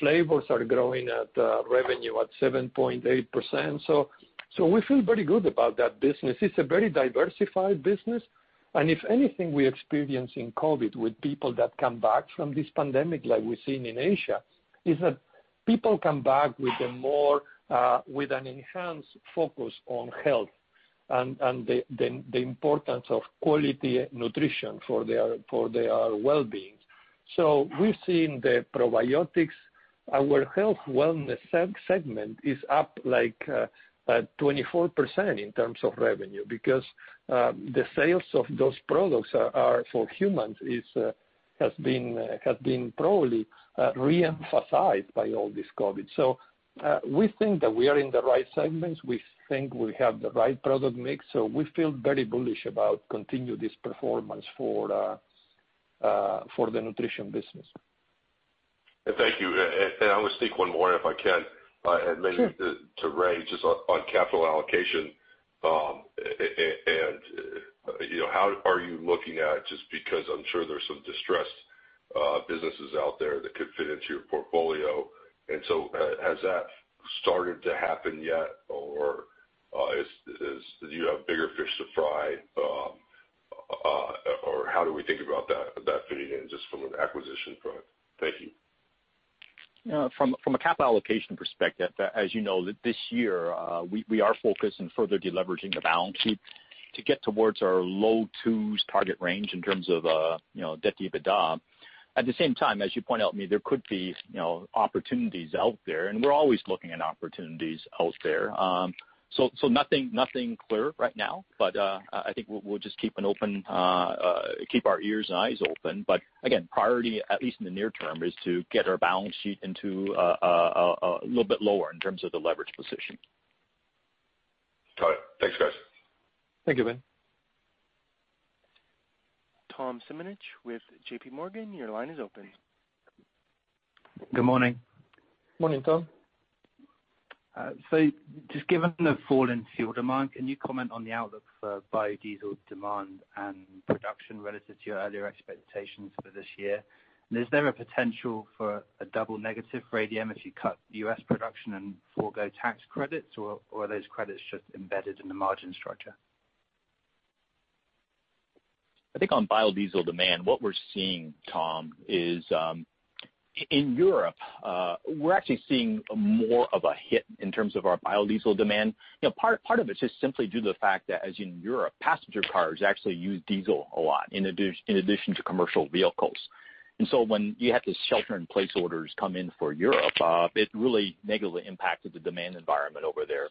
Flavors are growing at revenue at 7.8%. We feel pretty good about that business. It's a very diversified business. If anything we experience in COVID with people that come back from this pandemic, like we've seen in Asia, is that people come back with an enhanced focus on health and the importance of quality nutrition for their wellbeing. We've seen the probiotics, our health wellness segment is up like 24% in terms of revenue, because the sales of those products are for humans, has been probably re-emphasized by all this COVID. We think that we are in the right segments. We think we have the right product mix. We feel very bullish about continue this performance for the nutrition business. Thank you. I want to sneak one more in, if I can- Sure maybe to Ray, just on capital allocation. How are you looking at, just because I'm sure there's some distressed businesses out there that could fit into your portfolio. has that started to happen yet or do you have bigger fish to fry? how do we think about that fitting in just from an acquisition front? Thank you. From a capital allocation perspective, as you know, this year we are focused on further de-leveraging the balance sheet to get towards our low twos target range in terms of debt to EBITDA. At the same time, as you point out, there could be opportunities out there, and we're always looking at opportunities out there. Nothing clear right now, but I think we'll just keep our ears and eyes open. Again, priority, at least in the near term, is to get our balance sheet a little bit lower in terms of the leverage position. Got it. Thanks, guys. Thank you, Ben. Tom Siminitch with JPMorgan, your line is open. Good morning. Morning, Tom. Just given the fall in fuel demand, can you comment on the outlook for biodiesel demand and production relative to your earlier expectations for this year? Is there a potential for a double negative for ADM if you cut U.S. production and forgo tax credits, or are those credits just embedded in the margin structure? I think on biodiesel demand, what we're seeing, Tom, is in Europe, we're actually seeing more of a hit in terms of our biodiesel demand. Part of it's just simply due to the fact that as in Europe, passenger cars actually use diesel a lot in addition to commercial vehicles. When you have these shelter in place orders come in for Europe, it really negatively impacted the demand environment over there.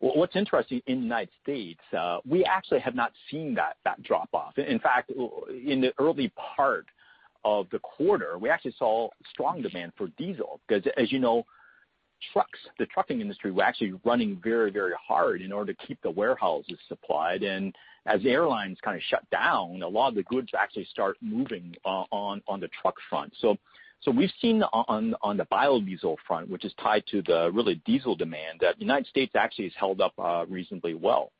What's interesting in the United States, we actually have not seen that drop off. In fact, in the early part of the quarter, we actually saw strong demand for diesel because, as you know, trucks, the trucking industry, were actually running very hard in order to keep the warehouses supplied. As airlines shut down, a lot of the goods actually start moving on the truck front. We've seen on the biodiesel front, which is tied to the really diesel demand, that United States actually has held up reasonably well.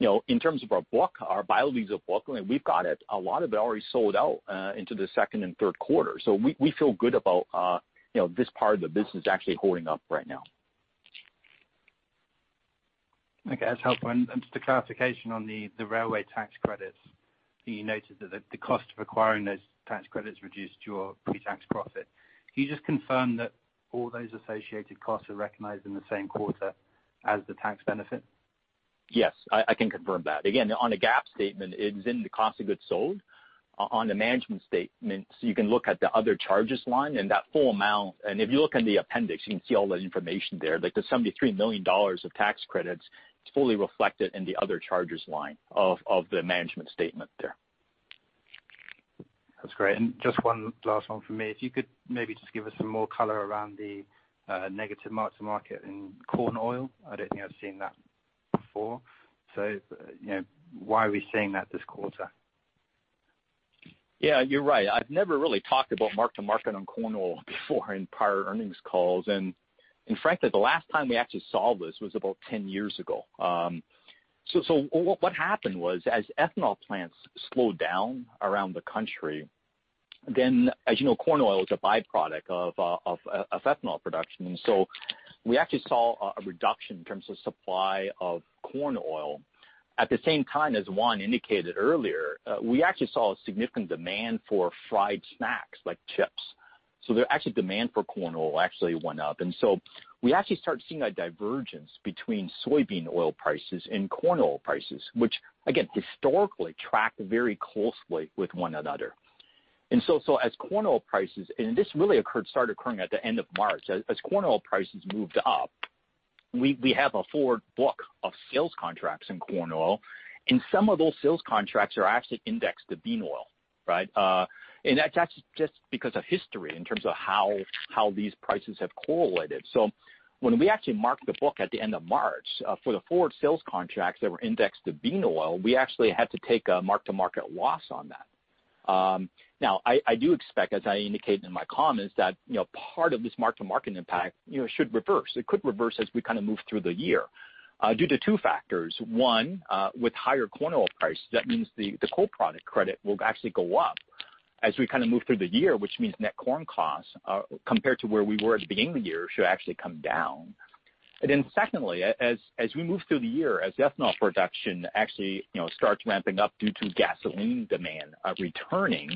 In terms of our biodiesel book, we've got a lot of it already sold out into the second and third quarter. We feel good about this part of the business actually holding up right now. Okay, that's helpful. Just a clarification on the railway tax credits. You noted that the cost of acquiring those tax credits reduced your pre-tax profit. Can you just confirm that all those associated costs are recognized in the same quarter as the tax benefit? Yes. I can confirm that. Again, on a GAAP statement, it is in the cost of goods sold. On the management statement, you can look at the other charges line and that full amount. If you look in the appendix, you can see all that information there. Like the $73 million of tax credits is fully reflected in the other charges line of the management statement there. That's great. Just one last one from me. If you could maybe just give us some more color around the negative mark-to-market in corn oil. I don't think I've seen that before. Why are we seeing that this quarter? Yeah, you're right. I've never really talked about mark-to-market on corn oil before in prior earnings calls. Frankly, the last time we actually saw this was about 10 years ago. What happened was, as ethanol plants slowed down around the country, then as you know, corn oil is a byproduct of ethanol production. We actually saw a reduction in terms of supply of corn oil. At the same time as Juan indicated earlier, we actually saw a significant demand for fried snacks like chips. The actual demand for corn oil actually went up. We actually start seeing a divergence between soybean oil prices and corn oil prices, which again, historically track very closely with one another. This really started occurring at the end of March. As corn oil prices moved up, we have a forward book of sales contracts in corn oil, and some of those sales contracts are actually indexed to bean oil, right? That's actually just because of history in terms of how these prices have correlated. When we actually marked the book at the end of March, for the forward sales contracts that were indexed to bean oil, we actually had to take a mark-to-market loss on that. Now, I do expect, as I indicated in my comments, that part of this mark-to-market impact should reverse. It could reverse as we move through the year due to two factors. One, with higher corn oil prices, that means the co-product credit will actually go up as we move through the year, which means net corn costs, compared to where we were at the beginning of the year, should actually come down. secondly, as we move through the year, as ethanol production actually starts ramping up due to gasoline demand returning,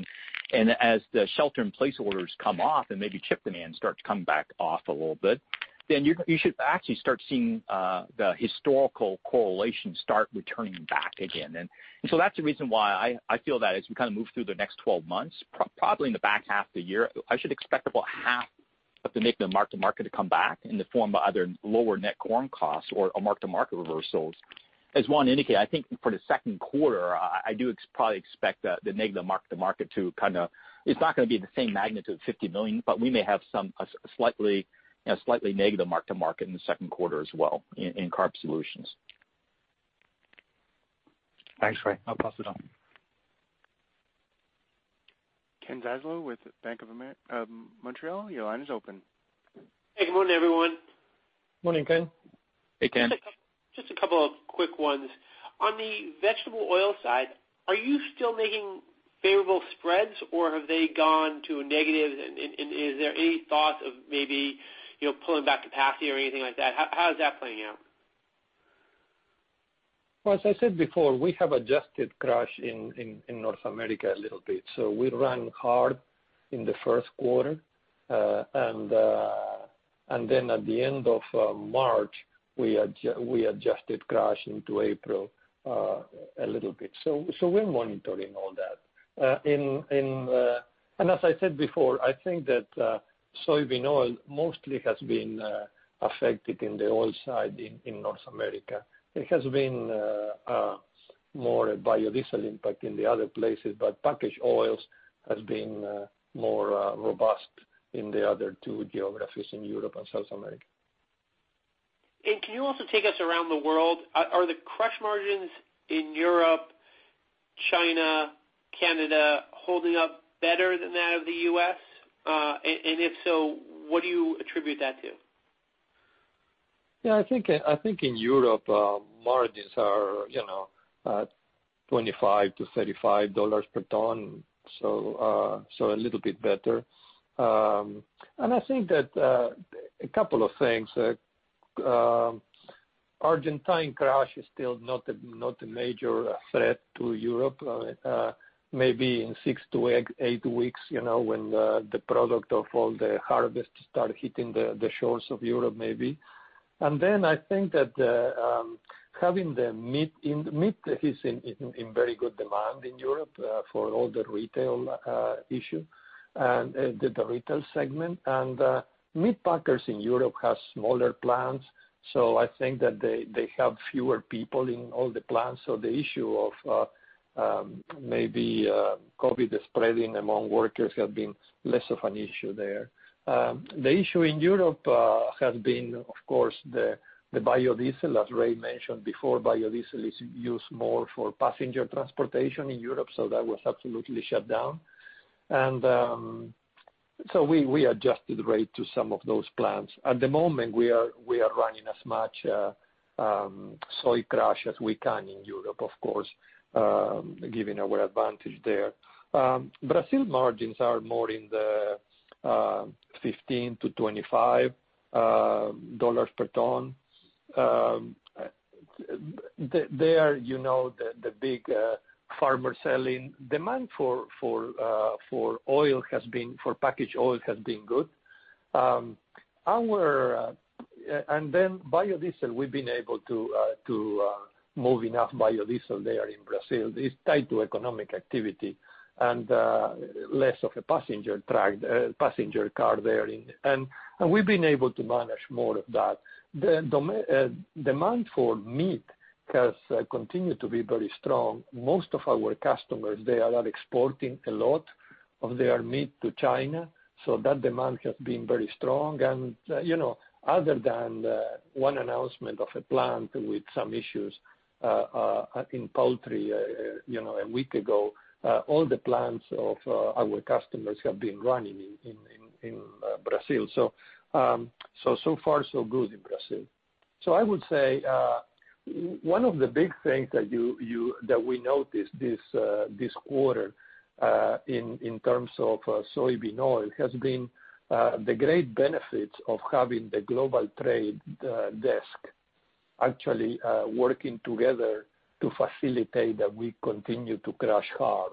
and as the shelter-in-place orders come off and maybe chip demand starts to come back off a little bit, then you should actually start seeing the historical correlation start returning back again. that's the reason why I feel that as we move through the next 12 months, probably in the back half of the year, I should expect about half of the negative mark-to-market to come back in the form of either lower net corn costs or mark-to-market reversals. As Juan indicated, I think for the second quarter, I do probably expect the negative mark-to-market. It's not going to be the same magnitude of $50 million, but we may have a slightly negative mark-to-market in the second quarter as well in carb solutions. Thanks, Ray. I'll pass it on. Kenneth Zaslow with Bank of Montreal, your line is open. Hey, good morning, everyone. Morning, Ken. Hey, Ken. Just a couple of quick ones. On the vegetable oil side, are you still making favorable spreads, or have they gone to a negative, and is there any thought of maybe pulling back capacity or anything like that? How is that playing out? Well, as I said before, we have adjusted crush in North America a little bit. We ran hard in the first quarter, and then at the end of March, we adjusted crush into April a little bit. We're monitoring all that. As I said before, I think that soybean oil mostly has been affected in the oil side in North America. It has been more a biodiesel impact in the other places, but packaged oils has been more robust in the other two geographies in Europe and South America. Can you also take us around the world? Are the crush margins in Europe, China, Canada, holding up better than that of the U.S.? If so, what do you attribute that to? Yeah, I think in Europe, margins are $25 to $35 per ton, so a little bit better. I think that a couple of things. Argentine crush is still not a major threat to Europe. Maybe in six to eight weeks, when the product of all the harvest start hitting the shores of Europe, maybe. I think that meat is in very good demand in Europe for all the retail issue and the retail segment. Meat packers in Europe have smaller plants, so I think that they have fewer people in all the plants. The issue of maybe COVID spreading among workers has been less of an issue there. The issue in Europe has been, of course, the biodiesel. As Ray mentioned before, biodiesel is used more for passenger transportation in Europe, so that was absolutely shut down. We adjusted rate to some of those plants. At the moment, we are running as much soy crush as we can in Europe, of course, given our advantage there. Brazil margins are more in the $15-$25 per ton. There, the big farmer selling demand for packaged oil has been good. biodiesel, we've been able to move enough biodiesel there in Brazil. It's tied to economic activity and less of a passenger car there. We've been able to manage more of that. The demand for meat has continued to be very strong. Most of our customers, they are exporting a lot of their meat to China, so that demand has been very strong. Other than one announcement of a plant with some issues in poultry a week ago, all the plants of our customers have been running in Brazil. So far so good in Brazil. I would say, one of the big things that we noticed this quarter, in terms of soybean oil, has been the great benefits of having the global trade desk actually working together to facilitate that we continue to crush hard.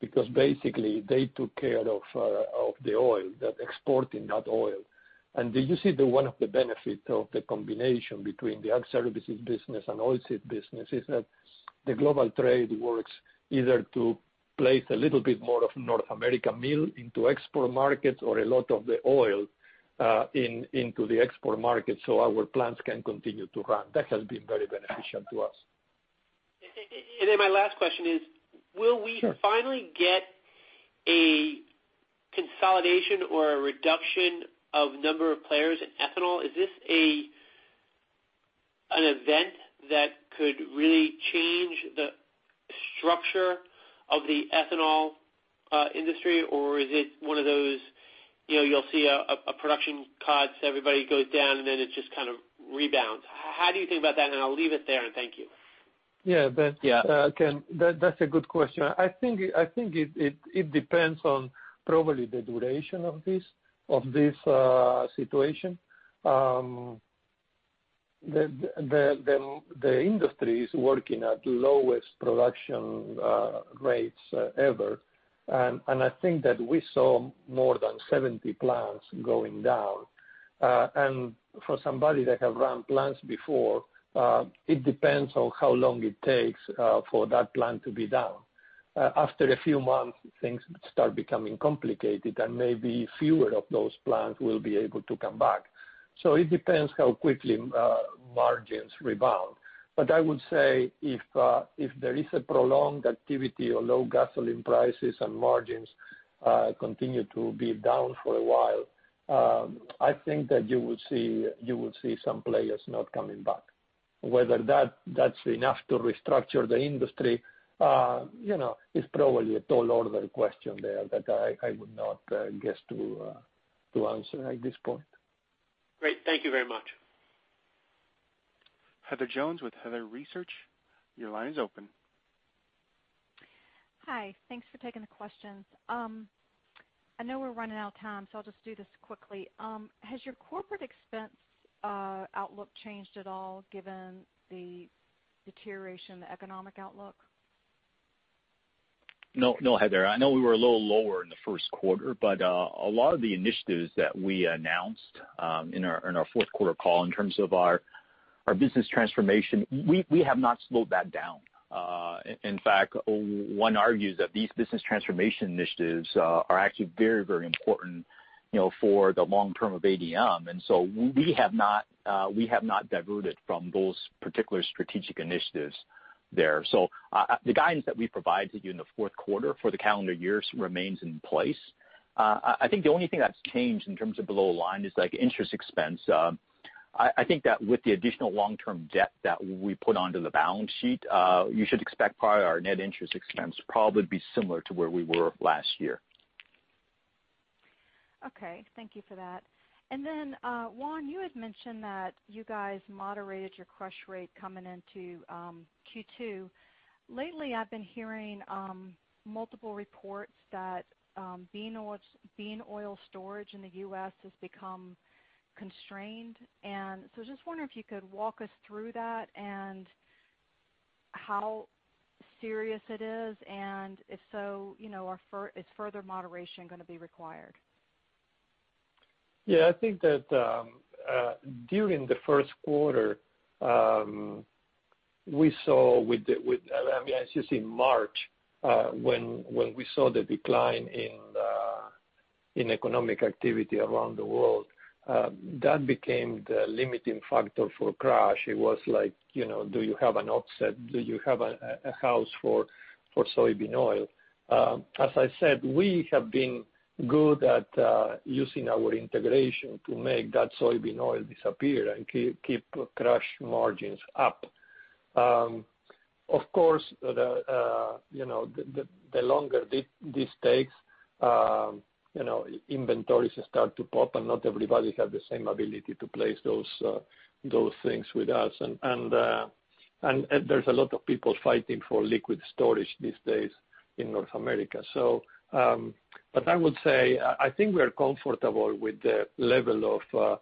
Because basically, they took care of the oil, that exporting that oil. You see one of the benefits of the combination between the ag services business and oilseed business is that the global trade works either to place a little bit more of North American meal into export markets or a lot of the oil into the export market, so our plants can continue to run. That has been very beneficial to us. my last question is, will we- Sure finally get a consolidation or a reduction of number of players in ethanol? Is this an event that could really change the structure of the ethanol industry, or is it one of those, you'll see a production cut, everybody goes down, and then it just kind of rebounds. How do you think about that? I'll leave it there, and thank you. Yeah. Yeah. Ken, that's a good question. I think it depends on probably the duration of this situation. The industry is working at the lowest production rates ever, and I think that we saw more than 70 plants going down. For somebody that have run plants before, it depends on how long it takes for that plant to be down. After a few months, things start becoming complicated, and maybe fewer of those plants will be able to come back. It depends how quickly margins rebound. I would say, if there is a prolonged activity or low gasoline prices and margins continue to be down for a while, I think that you would see some players not coming back. Whether that's enough to restructure the industry, is probably a tall order question there that I would not guess to answer at this point. Great. Thank you very much. Heather Jones with Heather Research, your line is open. Hi. Thanks for taking the questions. I know we're running out of time, so I'll just do this quickly. Has your corporate expense outlook changed at all given the deterioration, the economic outlook? No, Heather. I know we were a little lower in the first quarter, but a lot of the initiatives that we announced in our fourth quarter call in terms of our business transformation, we have not slowed that down. In fact, one argues that these business transformation initiatives are actually very important for the long term of ADM. We have not diverted from those particular strategic initiatives there. The guidance that we provide to you in the fourth quarter for the calendar years remains in place. I think the only thing that's changed in terms of below line is interest expense. I think that with the additional long-term debt that we put onto the balance sheet, you should expect probably our net interest expense probably be similar to where we were last year. Okay, thank you for that. Juan, you had mentioned that you guys moderated your crush rate coming into Q2. Lately, I've been hearing multiple reports that bean oil storage in the U.S. has become constrained. Just wonder if you could walk us through that and how serious it is, and if so, is further moderation going to be required? Yeah, I think that during the first quarter, I mean, it's just in March, when we saw the decline in economic activity around the world. That became the limiting factor for crush. It was like, do you have an offset? Do you have a house for soybean oil? As I said, we have been good at using our integration to make that soybean oil disappear and keep crush margins up. Of course, the longer this takes, inventories start to pop, and not everybody have the same ability to place those things with us. There's a lot of people fighting for liquid storage these days in North America. I would say, I think we are comfortable with the level of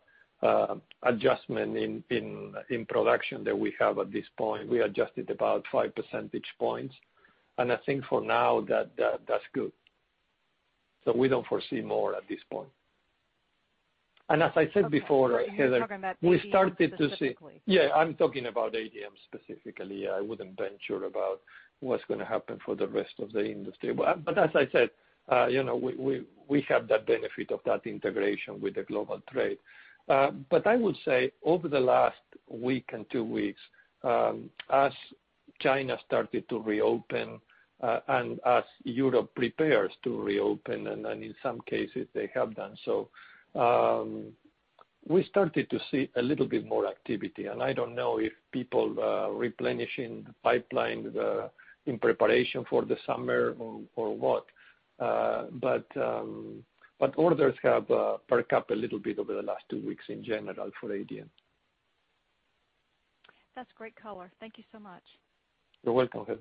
adjustment in production that we have at this point. We adjusted about five percentage points. I think for now, that's good. we don't foresee more at this point. as I said before, Heather- Okay. You're talking about ADM specifically. Yeah, I'm talking about ADM specifically. I wouldn't venture about what's going to happen for the rest of the industry. As I said, we have that benefit of that integration with the global trade. I would say, over the last week and two weeks, as China started to reopen, and as Europe prepares to reopen, and in some cases, they have done so. We started to see a little bit more activity, and I don't know if people replenishing the pipeline in preparation for the summer or what. Orders have perked up a little bit over the last two weeks in general for ADM. That's great color. Thank you so much. You're welcome, Heather.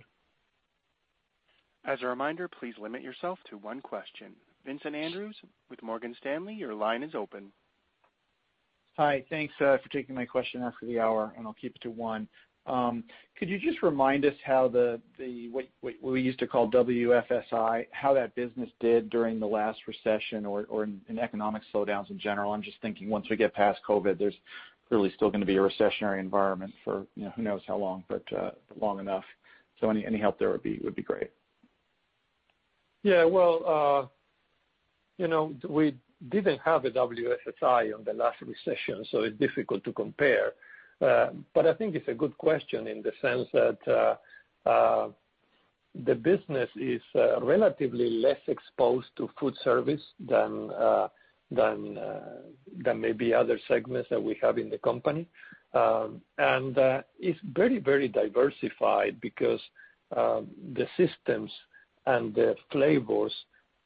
As a reminder, please limit yourself to one question. Vincent Andrews with Morgan Stanley, your line is open. Hi. Thanks for taking my question after the hour, and I'll keep it to one. Could you just remind us how what we used to call WFSI, how that business did during the last recession or in economic slowdowns in general? I'm just thinking once we get past COVID, there's really still going to be a recessionary environment for who knows how long, but long enough. Any help there would be great. Yeah. Well, we didn't have a WFSI on the last recession, it's difficult to compare. I think it's a good question in the sense that the business is relatively less exposed to food service than maybe other segments that we have in the company. It's very diversified because the systems and the flavors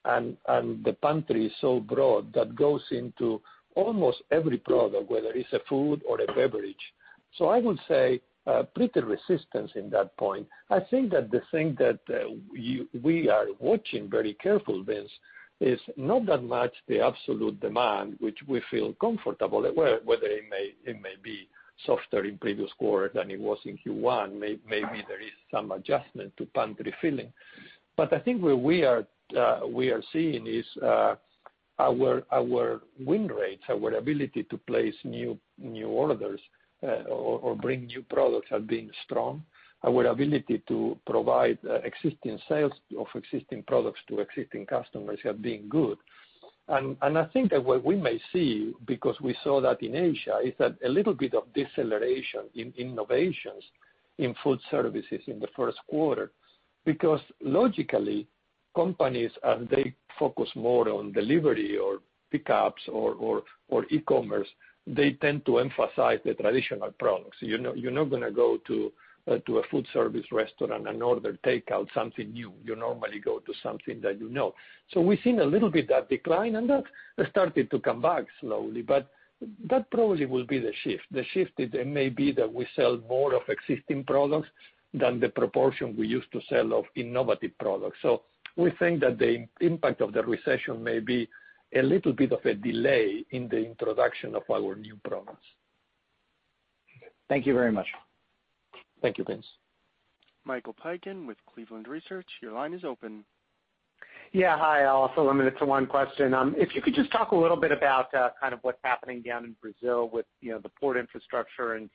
and the pantry is so broad that goes into almost every product, whether it's a food or a beverage. I would say pretty resistance in that point. I think that the thing that we are watching very careful, Vince, is not that much the absolute demand, which we feel comfortable, whether it may be softer in previous quarter than it was in Q1. Maybe there is some adjustment to pantry filling. I think where we are seeing is our win rates, our ability to place new orders or bring new products have been strong. Our ability to provide existing sales of existing products to existing customers have been good. I think that what we may see, because we saw that in Asia, is that a little bit of deceleration in innovations in food services in the first quarter. Logically, companies, as they focus more on delivery or pickups or e-commerce, they tend to emphasize the traditional products. You're not going to go to a food service restaurant and order takeout something new. You normally go to something that you know. We've seen a little bit that decline, and that started to come back slowly. That probably will be the shift. The shift it may be that we sell more of existing products than the proportion we used to sell of innovative products. We think that the impact of the recession may be a little bit of a delay in the introduction of our new products. Thank you very much. Thank you, Vince. Michael Piken with Cleveland Research. Your line is open. Yeah. Hi. I'll also limit it to one question. If you could just talk a little bit about what's happening down in Brazil with the port infrastructure and,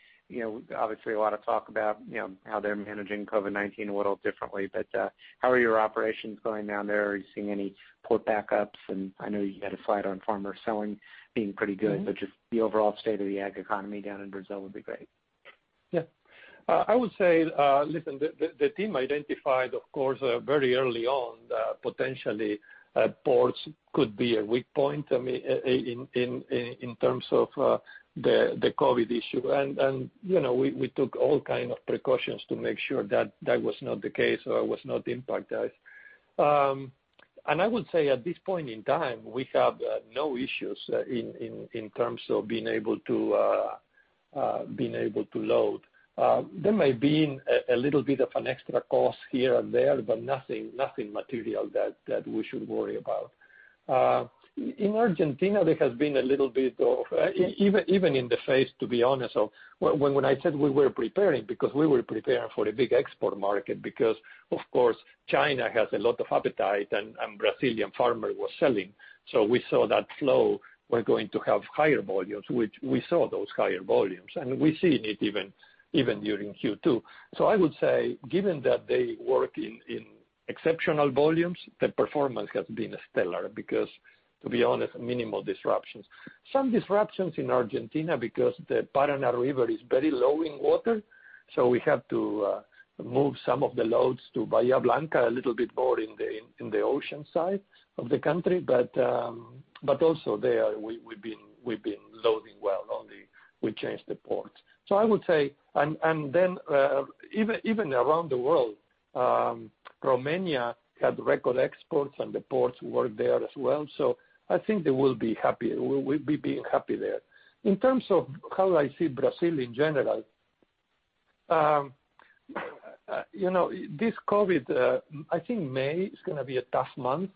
obviously, a lot of talk about how they're managing COVID-19 a little differently. How are your operations going down there? Are you seeing any port backups? I know you had a slide on farmer selling being pretty good, but just the overall state of the ag economy down in Brazil would be great. Yeah. I would say, listen, the team identified, of course, very early on that potentially ports could be a weak point, in terms of the COVID issue. We took all kind of precautions to make sure that was not the case or was not impacted. I would say at this point in time, we have no issues in terms of being able to load. There may have been a little bit of an extra cost here and there, but nothing material that we should worry about. In Argentina, there has been a little bit of Even in the phase, to be honest, of when I said we were preparing because we were preparing for a big export market, because, of course, China has a lot of appetite, and Brazilian farmer was selling. We saw that flow, we're going to have higher volumes. Which we saw those higher volumes, and we see it even during Q2. I would say, given that they work in exceptional volumes, the performance has been stellar because, to be honest, minimal disruptions. Some disruptions in Argentina because the Paraná River is very low in water, so we have to move some of the loads to Bahia Blanca, a little bit more in the ocean side of the country. Also there, we've been loading well, only we changed the port. Even around the world, Romania had record exports, and the ports work there as well. I think they will be happy. We'll be being happy there. In terms of how I see Brazil in general, this COVID, I think May is going to be a tough month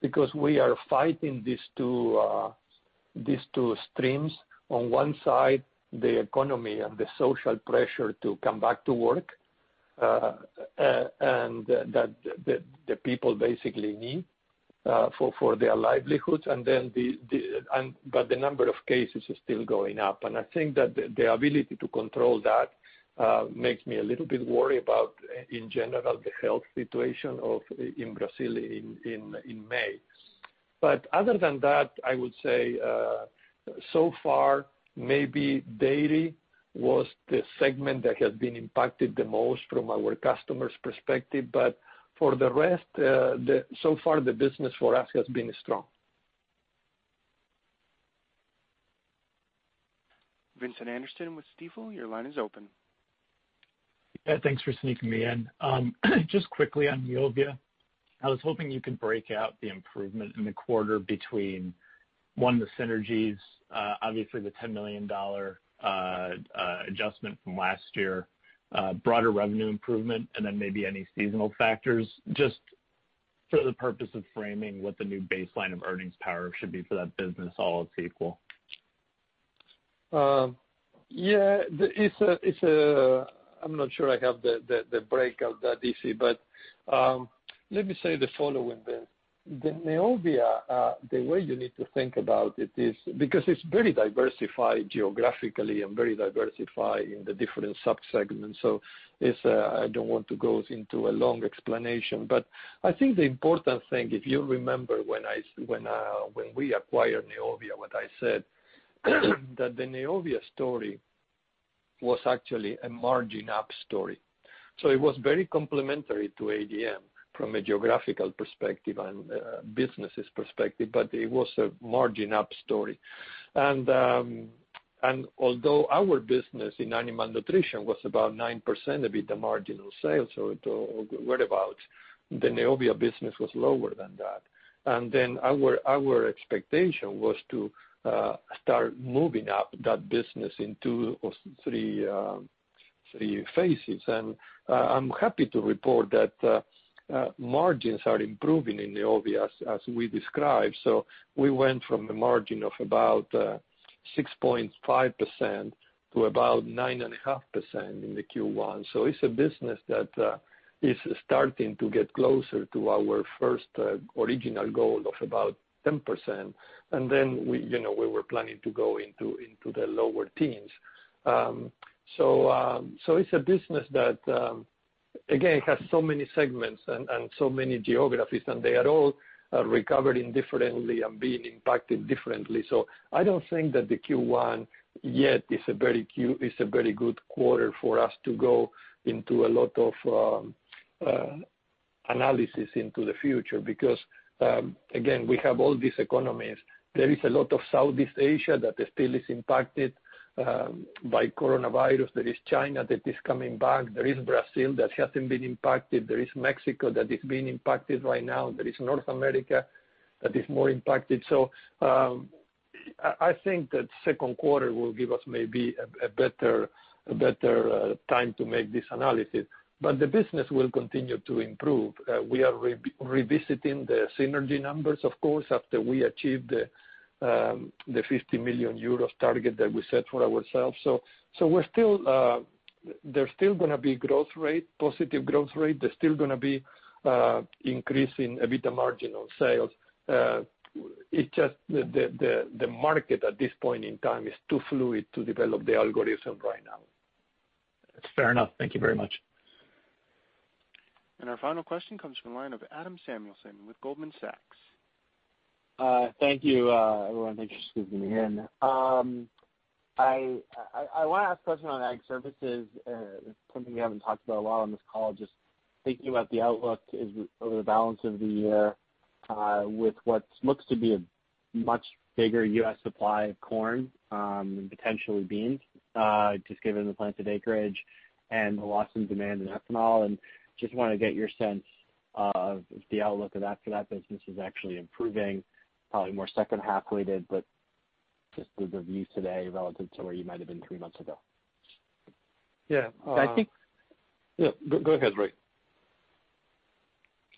because we are fighting these two streams. On one side, the economy and the social pressure to come back to work, the people basically need for their livelihoods. The number of cases is still going up. I think that the ability to control that makes me a little bit worried about, in general, the health situation in Brazil in May. Other than that, I would say so far, maybe dairy was the segment that has been impacted the most from our customers' perspective. For the rest, so far the business for us has been strong. Vincent Anderson with Stifel, your line is open. Yeah, thanks for sneaking me in. Just quickly on Neovia, I was hoping you could break out the improvement in the quarter between, one, the synergies, obviously the $10 million adjustment from last year, broader revenue improvement, and then maybe any seasonal factors. Just for the purpose of framing what the new baseline of earnings power should be for that business, all else equal. Yeah. I'm not sure I have the breakout that easy, but let me say the following then. The Neovia, the way you need to think about it is, because it's very diversified geographically and very diversified in the different sub-segments, so I don't want to go into a long explanation. I think the important thing, if you remember, when we acquired Neovia, what I said, that the Neovia story was actually a margin-up story. It was very complementary to ADM from a geographical perspective and businesses perspective, but it was a margin-up story. Although our business in animal nutrition was about 9% EBITDA margin on sales, so it worried about the Neovia business was lower than that. Then our expectation was to start moving up that business in two or three phases. I'm happy to report that margins are improving in Neovia as we described. We went from a margin of about 6.5% to about 9.5% in the Q1. It's a business that is starting to get closer to our first original goal of about 10%. We were planning to go into the lower teens. It's a business that, again, has so many segments and so many geographies, and they are all recovering differently and being impacted differently. I don't think that the Q1 yet is a very good quarter for us to go into a lot of analysis into the future because, again, we have all these economies. There is a lot of Southeast Asia that still is impacted by coronavirus. There is China that is coming back. There is Brazil that hasn't been impacted. There is Mexico that is being impacted right now. There is North America that is more impacted. I think that second quarter will give us maybe a better time to make this analysis. The business will continue to improve. We are revisiting the synergy numbers, of course, after we achieved the 50 million euros target that we set for ourselves. There's still going to be growth rate, positive growth rate. There's still going to be increase in EBITDA margin on sales. It's just the market at this point in time is too fluid to develop the algorithm right now. That's fair enough. Thank you very much. Our final question comes from the line of Adam Samuelson with Goldman Sachs. Thank you, everyone. Thanks for squeezing me in. I want to ask a question on Ag Services. It's something you haven't talked about a lot on this call. Just thinking about the outlook over the balance of the year with what looks to be a much bigger U.S. supply of corn and potentially beans, just given the planted acreage and the loss in demand in ethanol. Just want to get your sense of if the outlook of that for that business is actually improving, probably more second half weighted, but just the view today relative to where you might've been three months ago. Yeah, go ahead, Ray.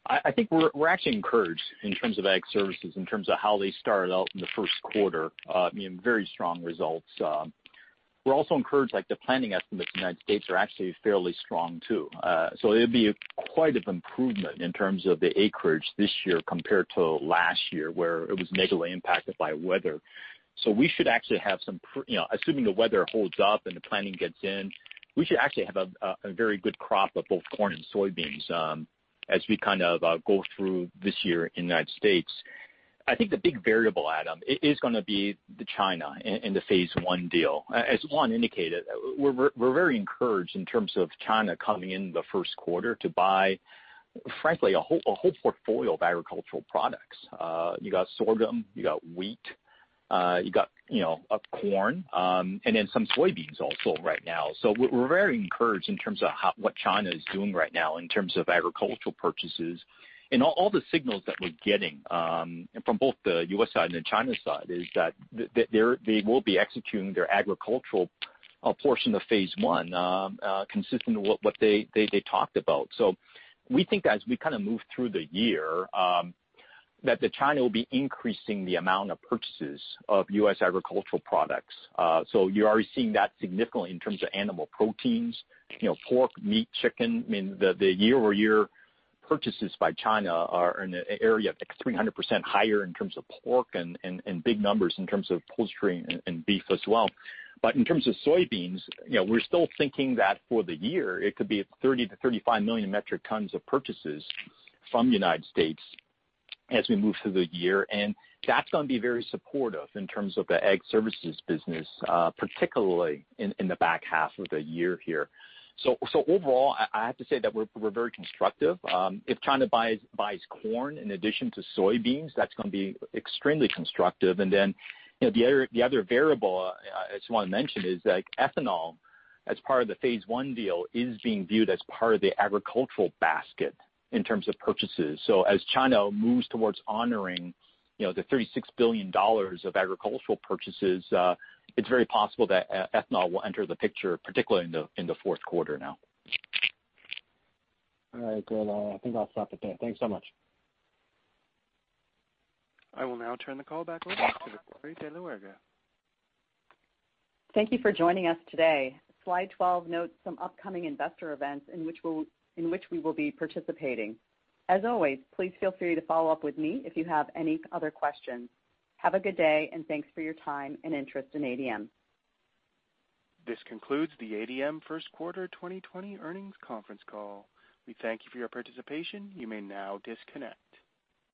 I think we're actually encouraged in terms of Ag Services, in terms of how they started out in the first quarter. Very strong results. We're also encouraged, like the planning estimates in the U.S. are actually fairly strong, too. It'd be quite an improvement in terms of the acreage this year compared to last year, where it was negatively impacted by weather. We should actually have some, assuming the weather holds up and the planning gets in, we should actually have a very good crop of both corn and soybeans as we kind of go through this year in the U.S. I think the big variable, Adam, is going to be the China and the Phase One deal. As Juan indicated, we're very encouraged in terms of China coming in the first quarter to buy, frankly, a whole portfolio of agricultural products. You got sorghum, you got wheat, you got corn, and then some soybeans also right now. We're very encouraged in terms of what China is doing right now in terms of agricultural purchases. All the signals that we're getting from both the U.S. side and the China side is that they will be executing their agricultural portion of Phase One, consistent with what they talked about. We think as we kind of move through the year, that the China will be increasing the amount of purchases of U.S. agricultural products. You're already seeing that significantly in terms of animal proteins, pork, meat, chicken. The year-over-year purchases by China are in the area of like 300% higher in terms of pork and big numbers in terms of poultry and beef as well. In terms of soybeans, we're still thinking that for the year, it could be 30-35 million metric tons of purchases from the United States as we move through the year. That's going to be very supportive in terms of the Ag Services business, particularly in the back half of the year here. Overall, I have to say that we're very constructive. If China buys corn in addition to soybeans, that's going to be extremely constructive. The other variable I just want to mention is that ethanol, as part of the Phase One deal, is being viewed as part of the agricultural basket in terms of purchases. As China moves towards honoring the $36 billion of agricultural purchases, it's very possible that ethanol will enter the picture, particularly in the fourth quarter now. All right, cool. I think I'll stop it there. Thank you so much. I will now turn the call back over to Victoria de la Huerga. Thank you for joining us today. Slide 12 notes some upcoming investor events in which we will be participating. As always, please feel free to follow up with me if you have any other questions. Have a good day, and thanks for your time and interest in ADM. This concludes the ADM First Quarter 2020 Earnings Conference Call. We thank you for your participation. You may now disconnect.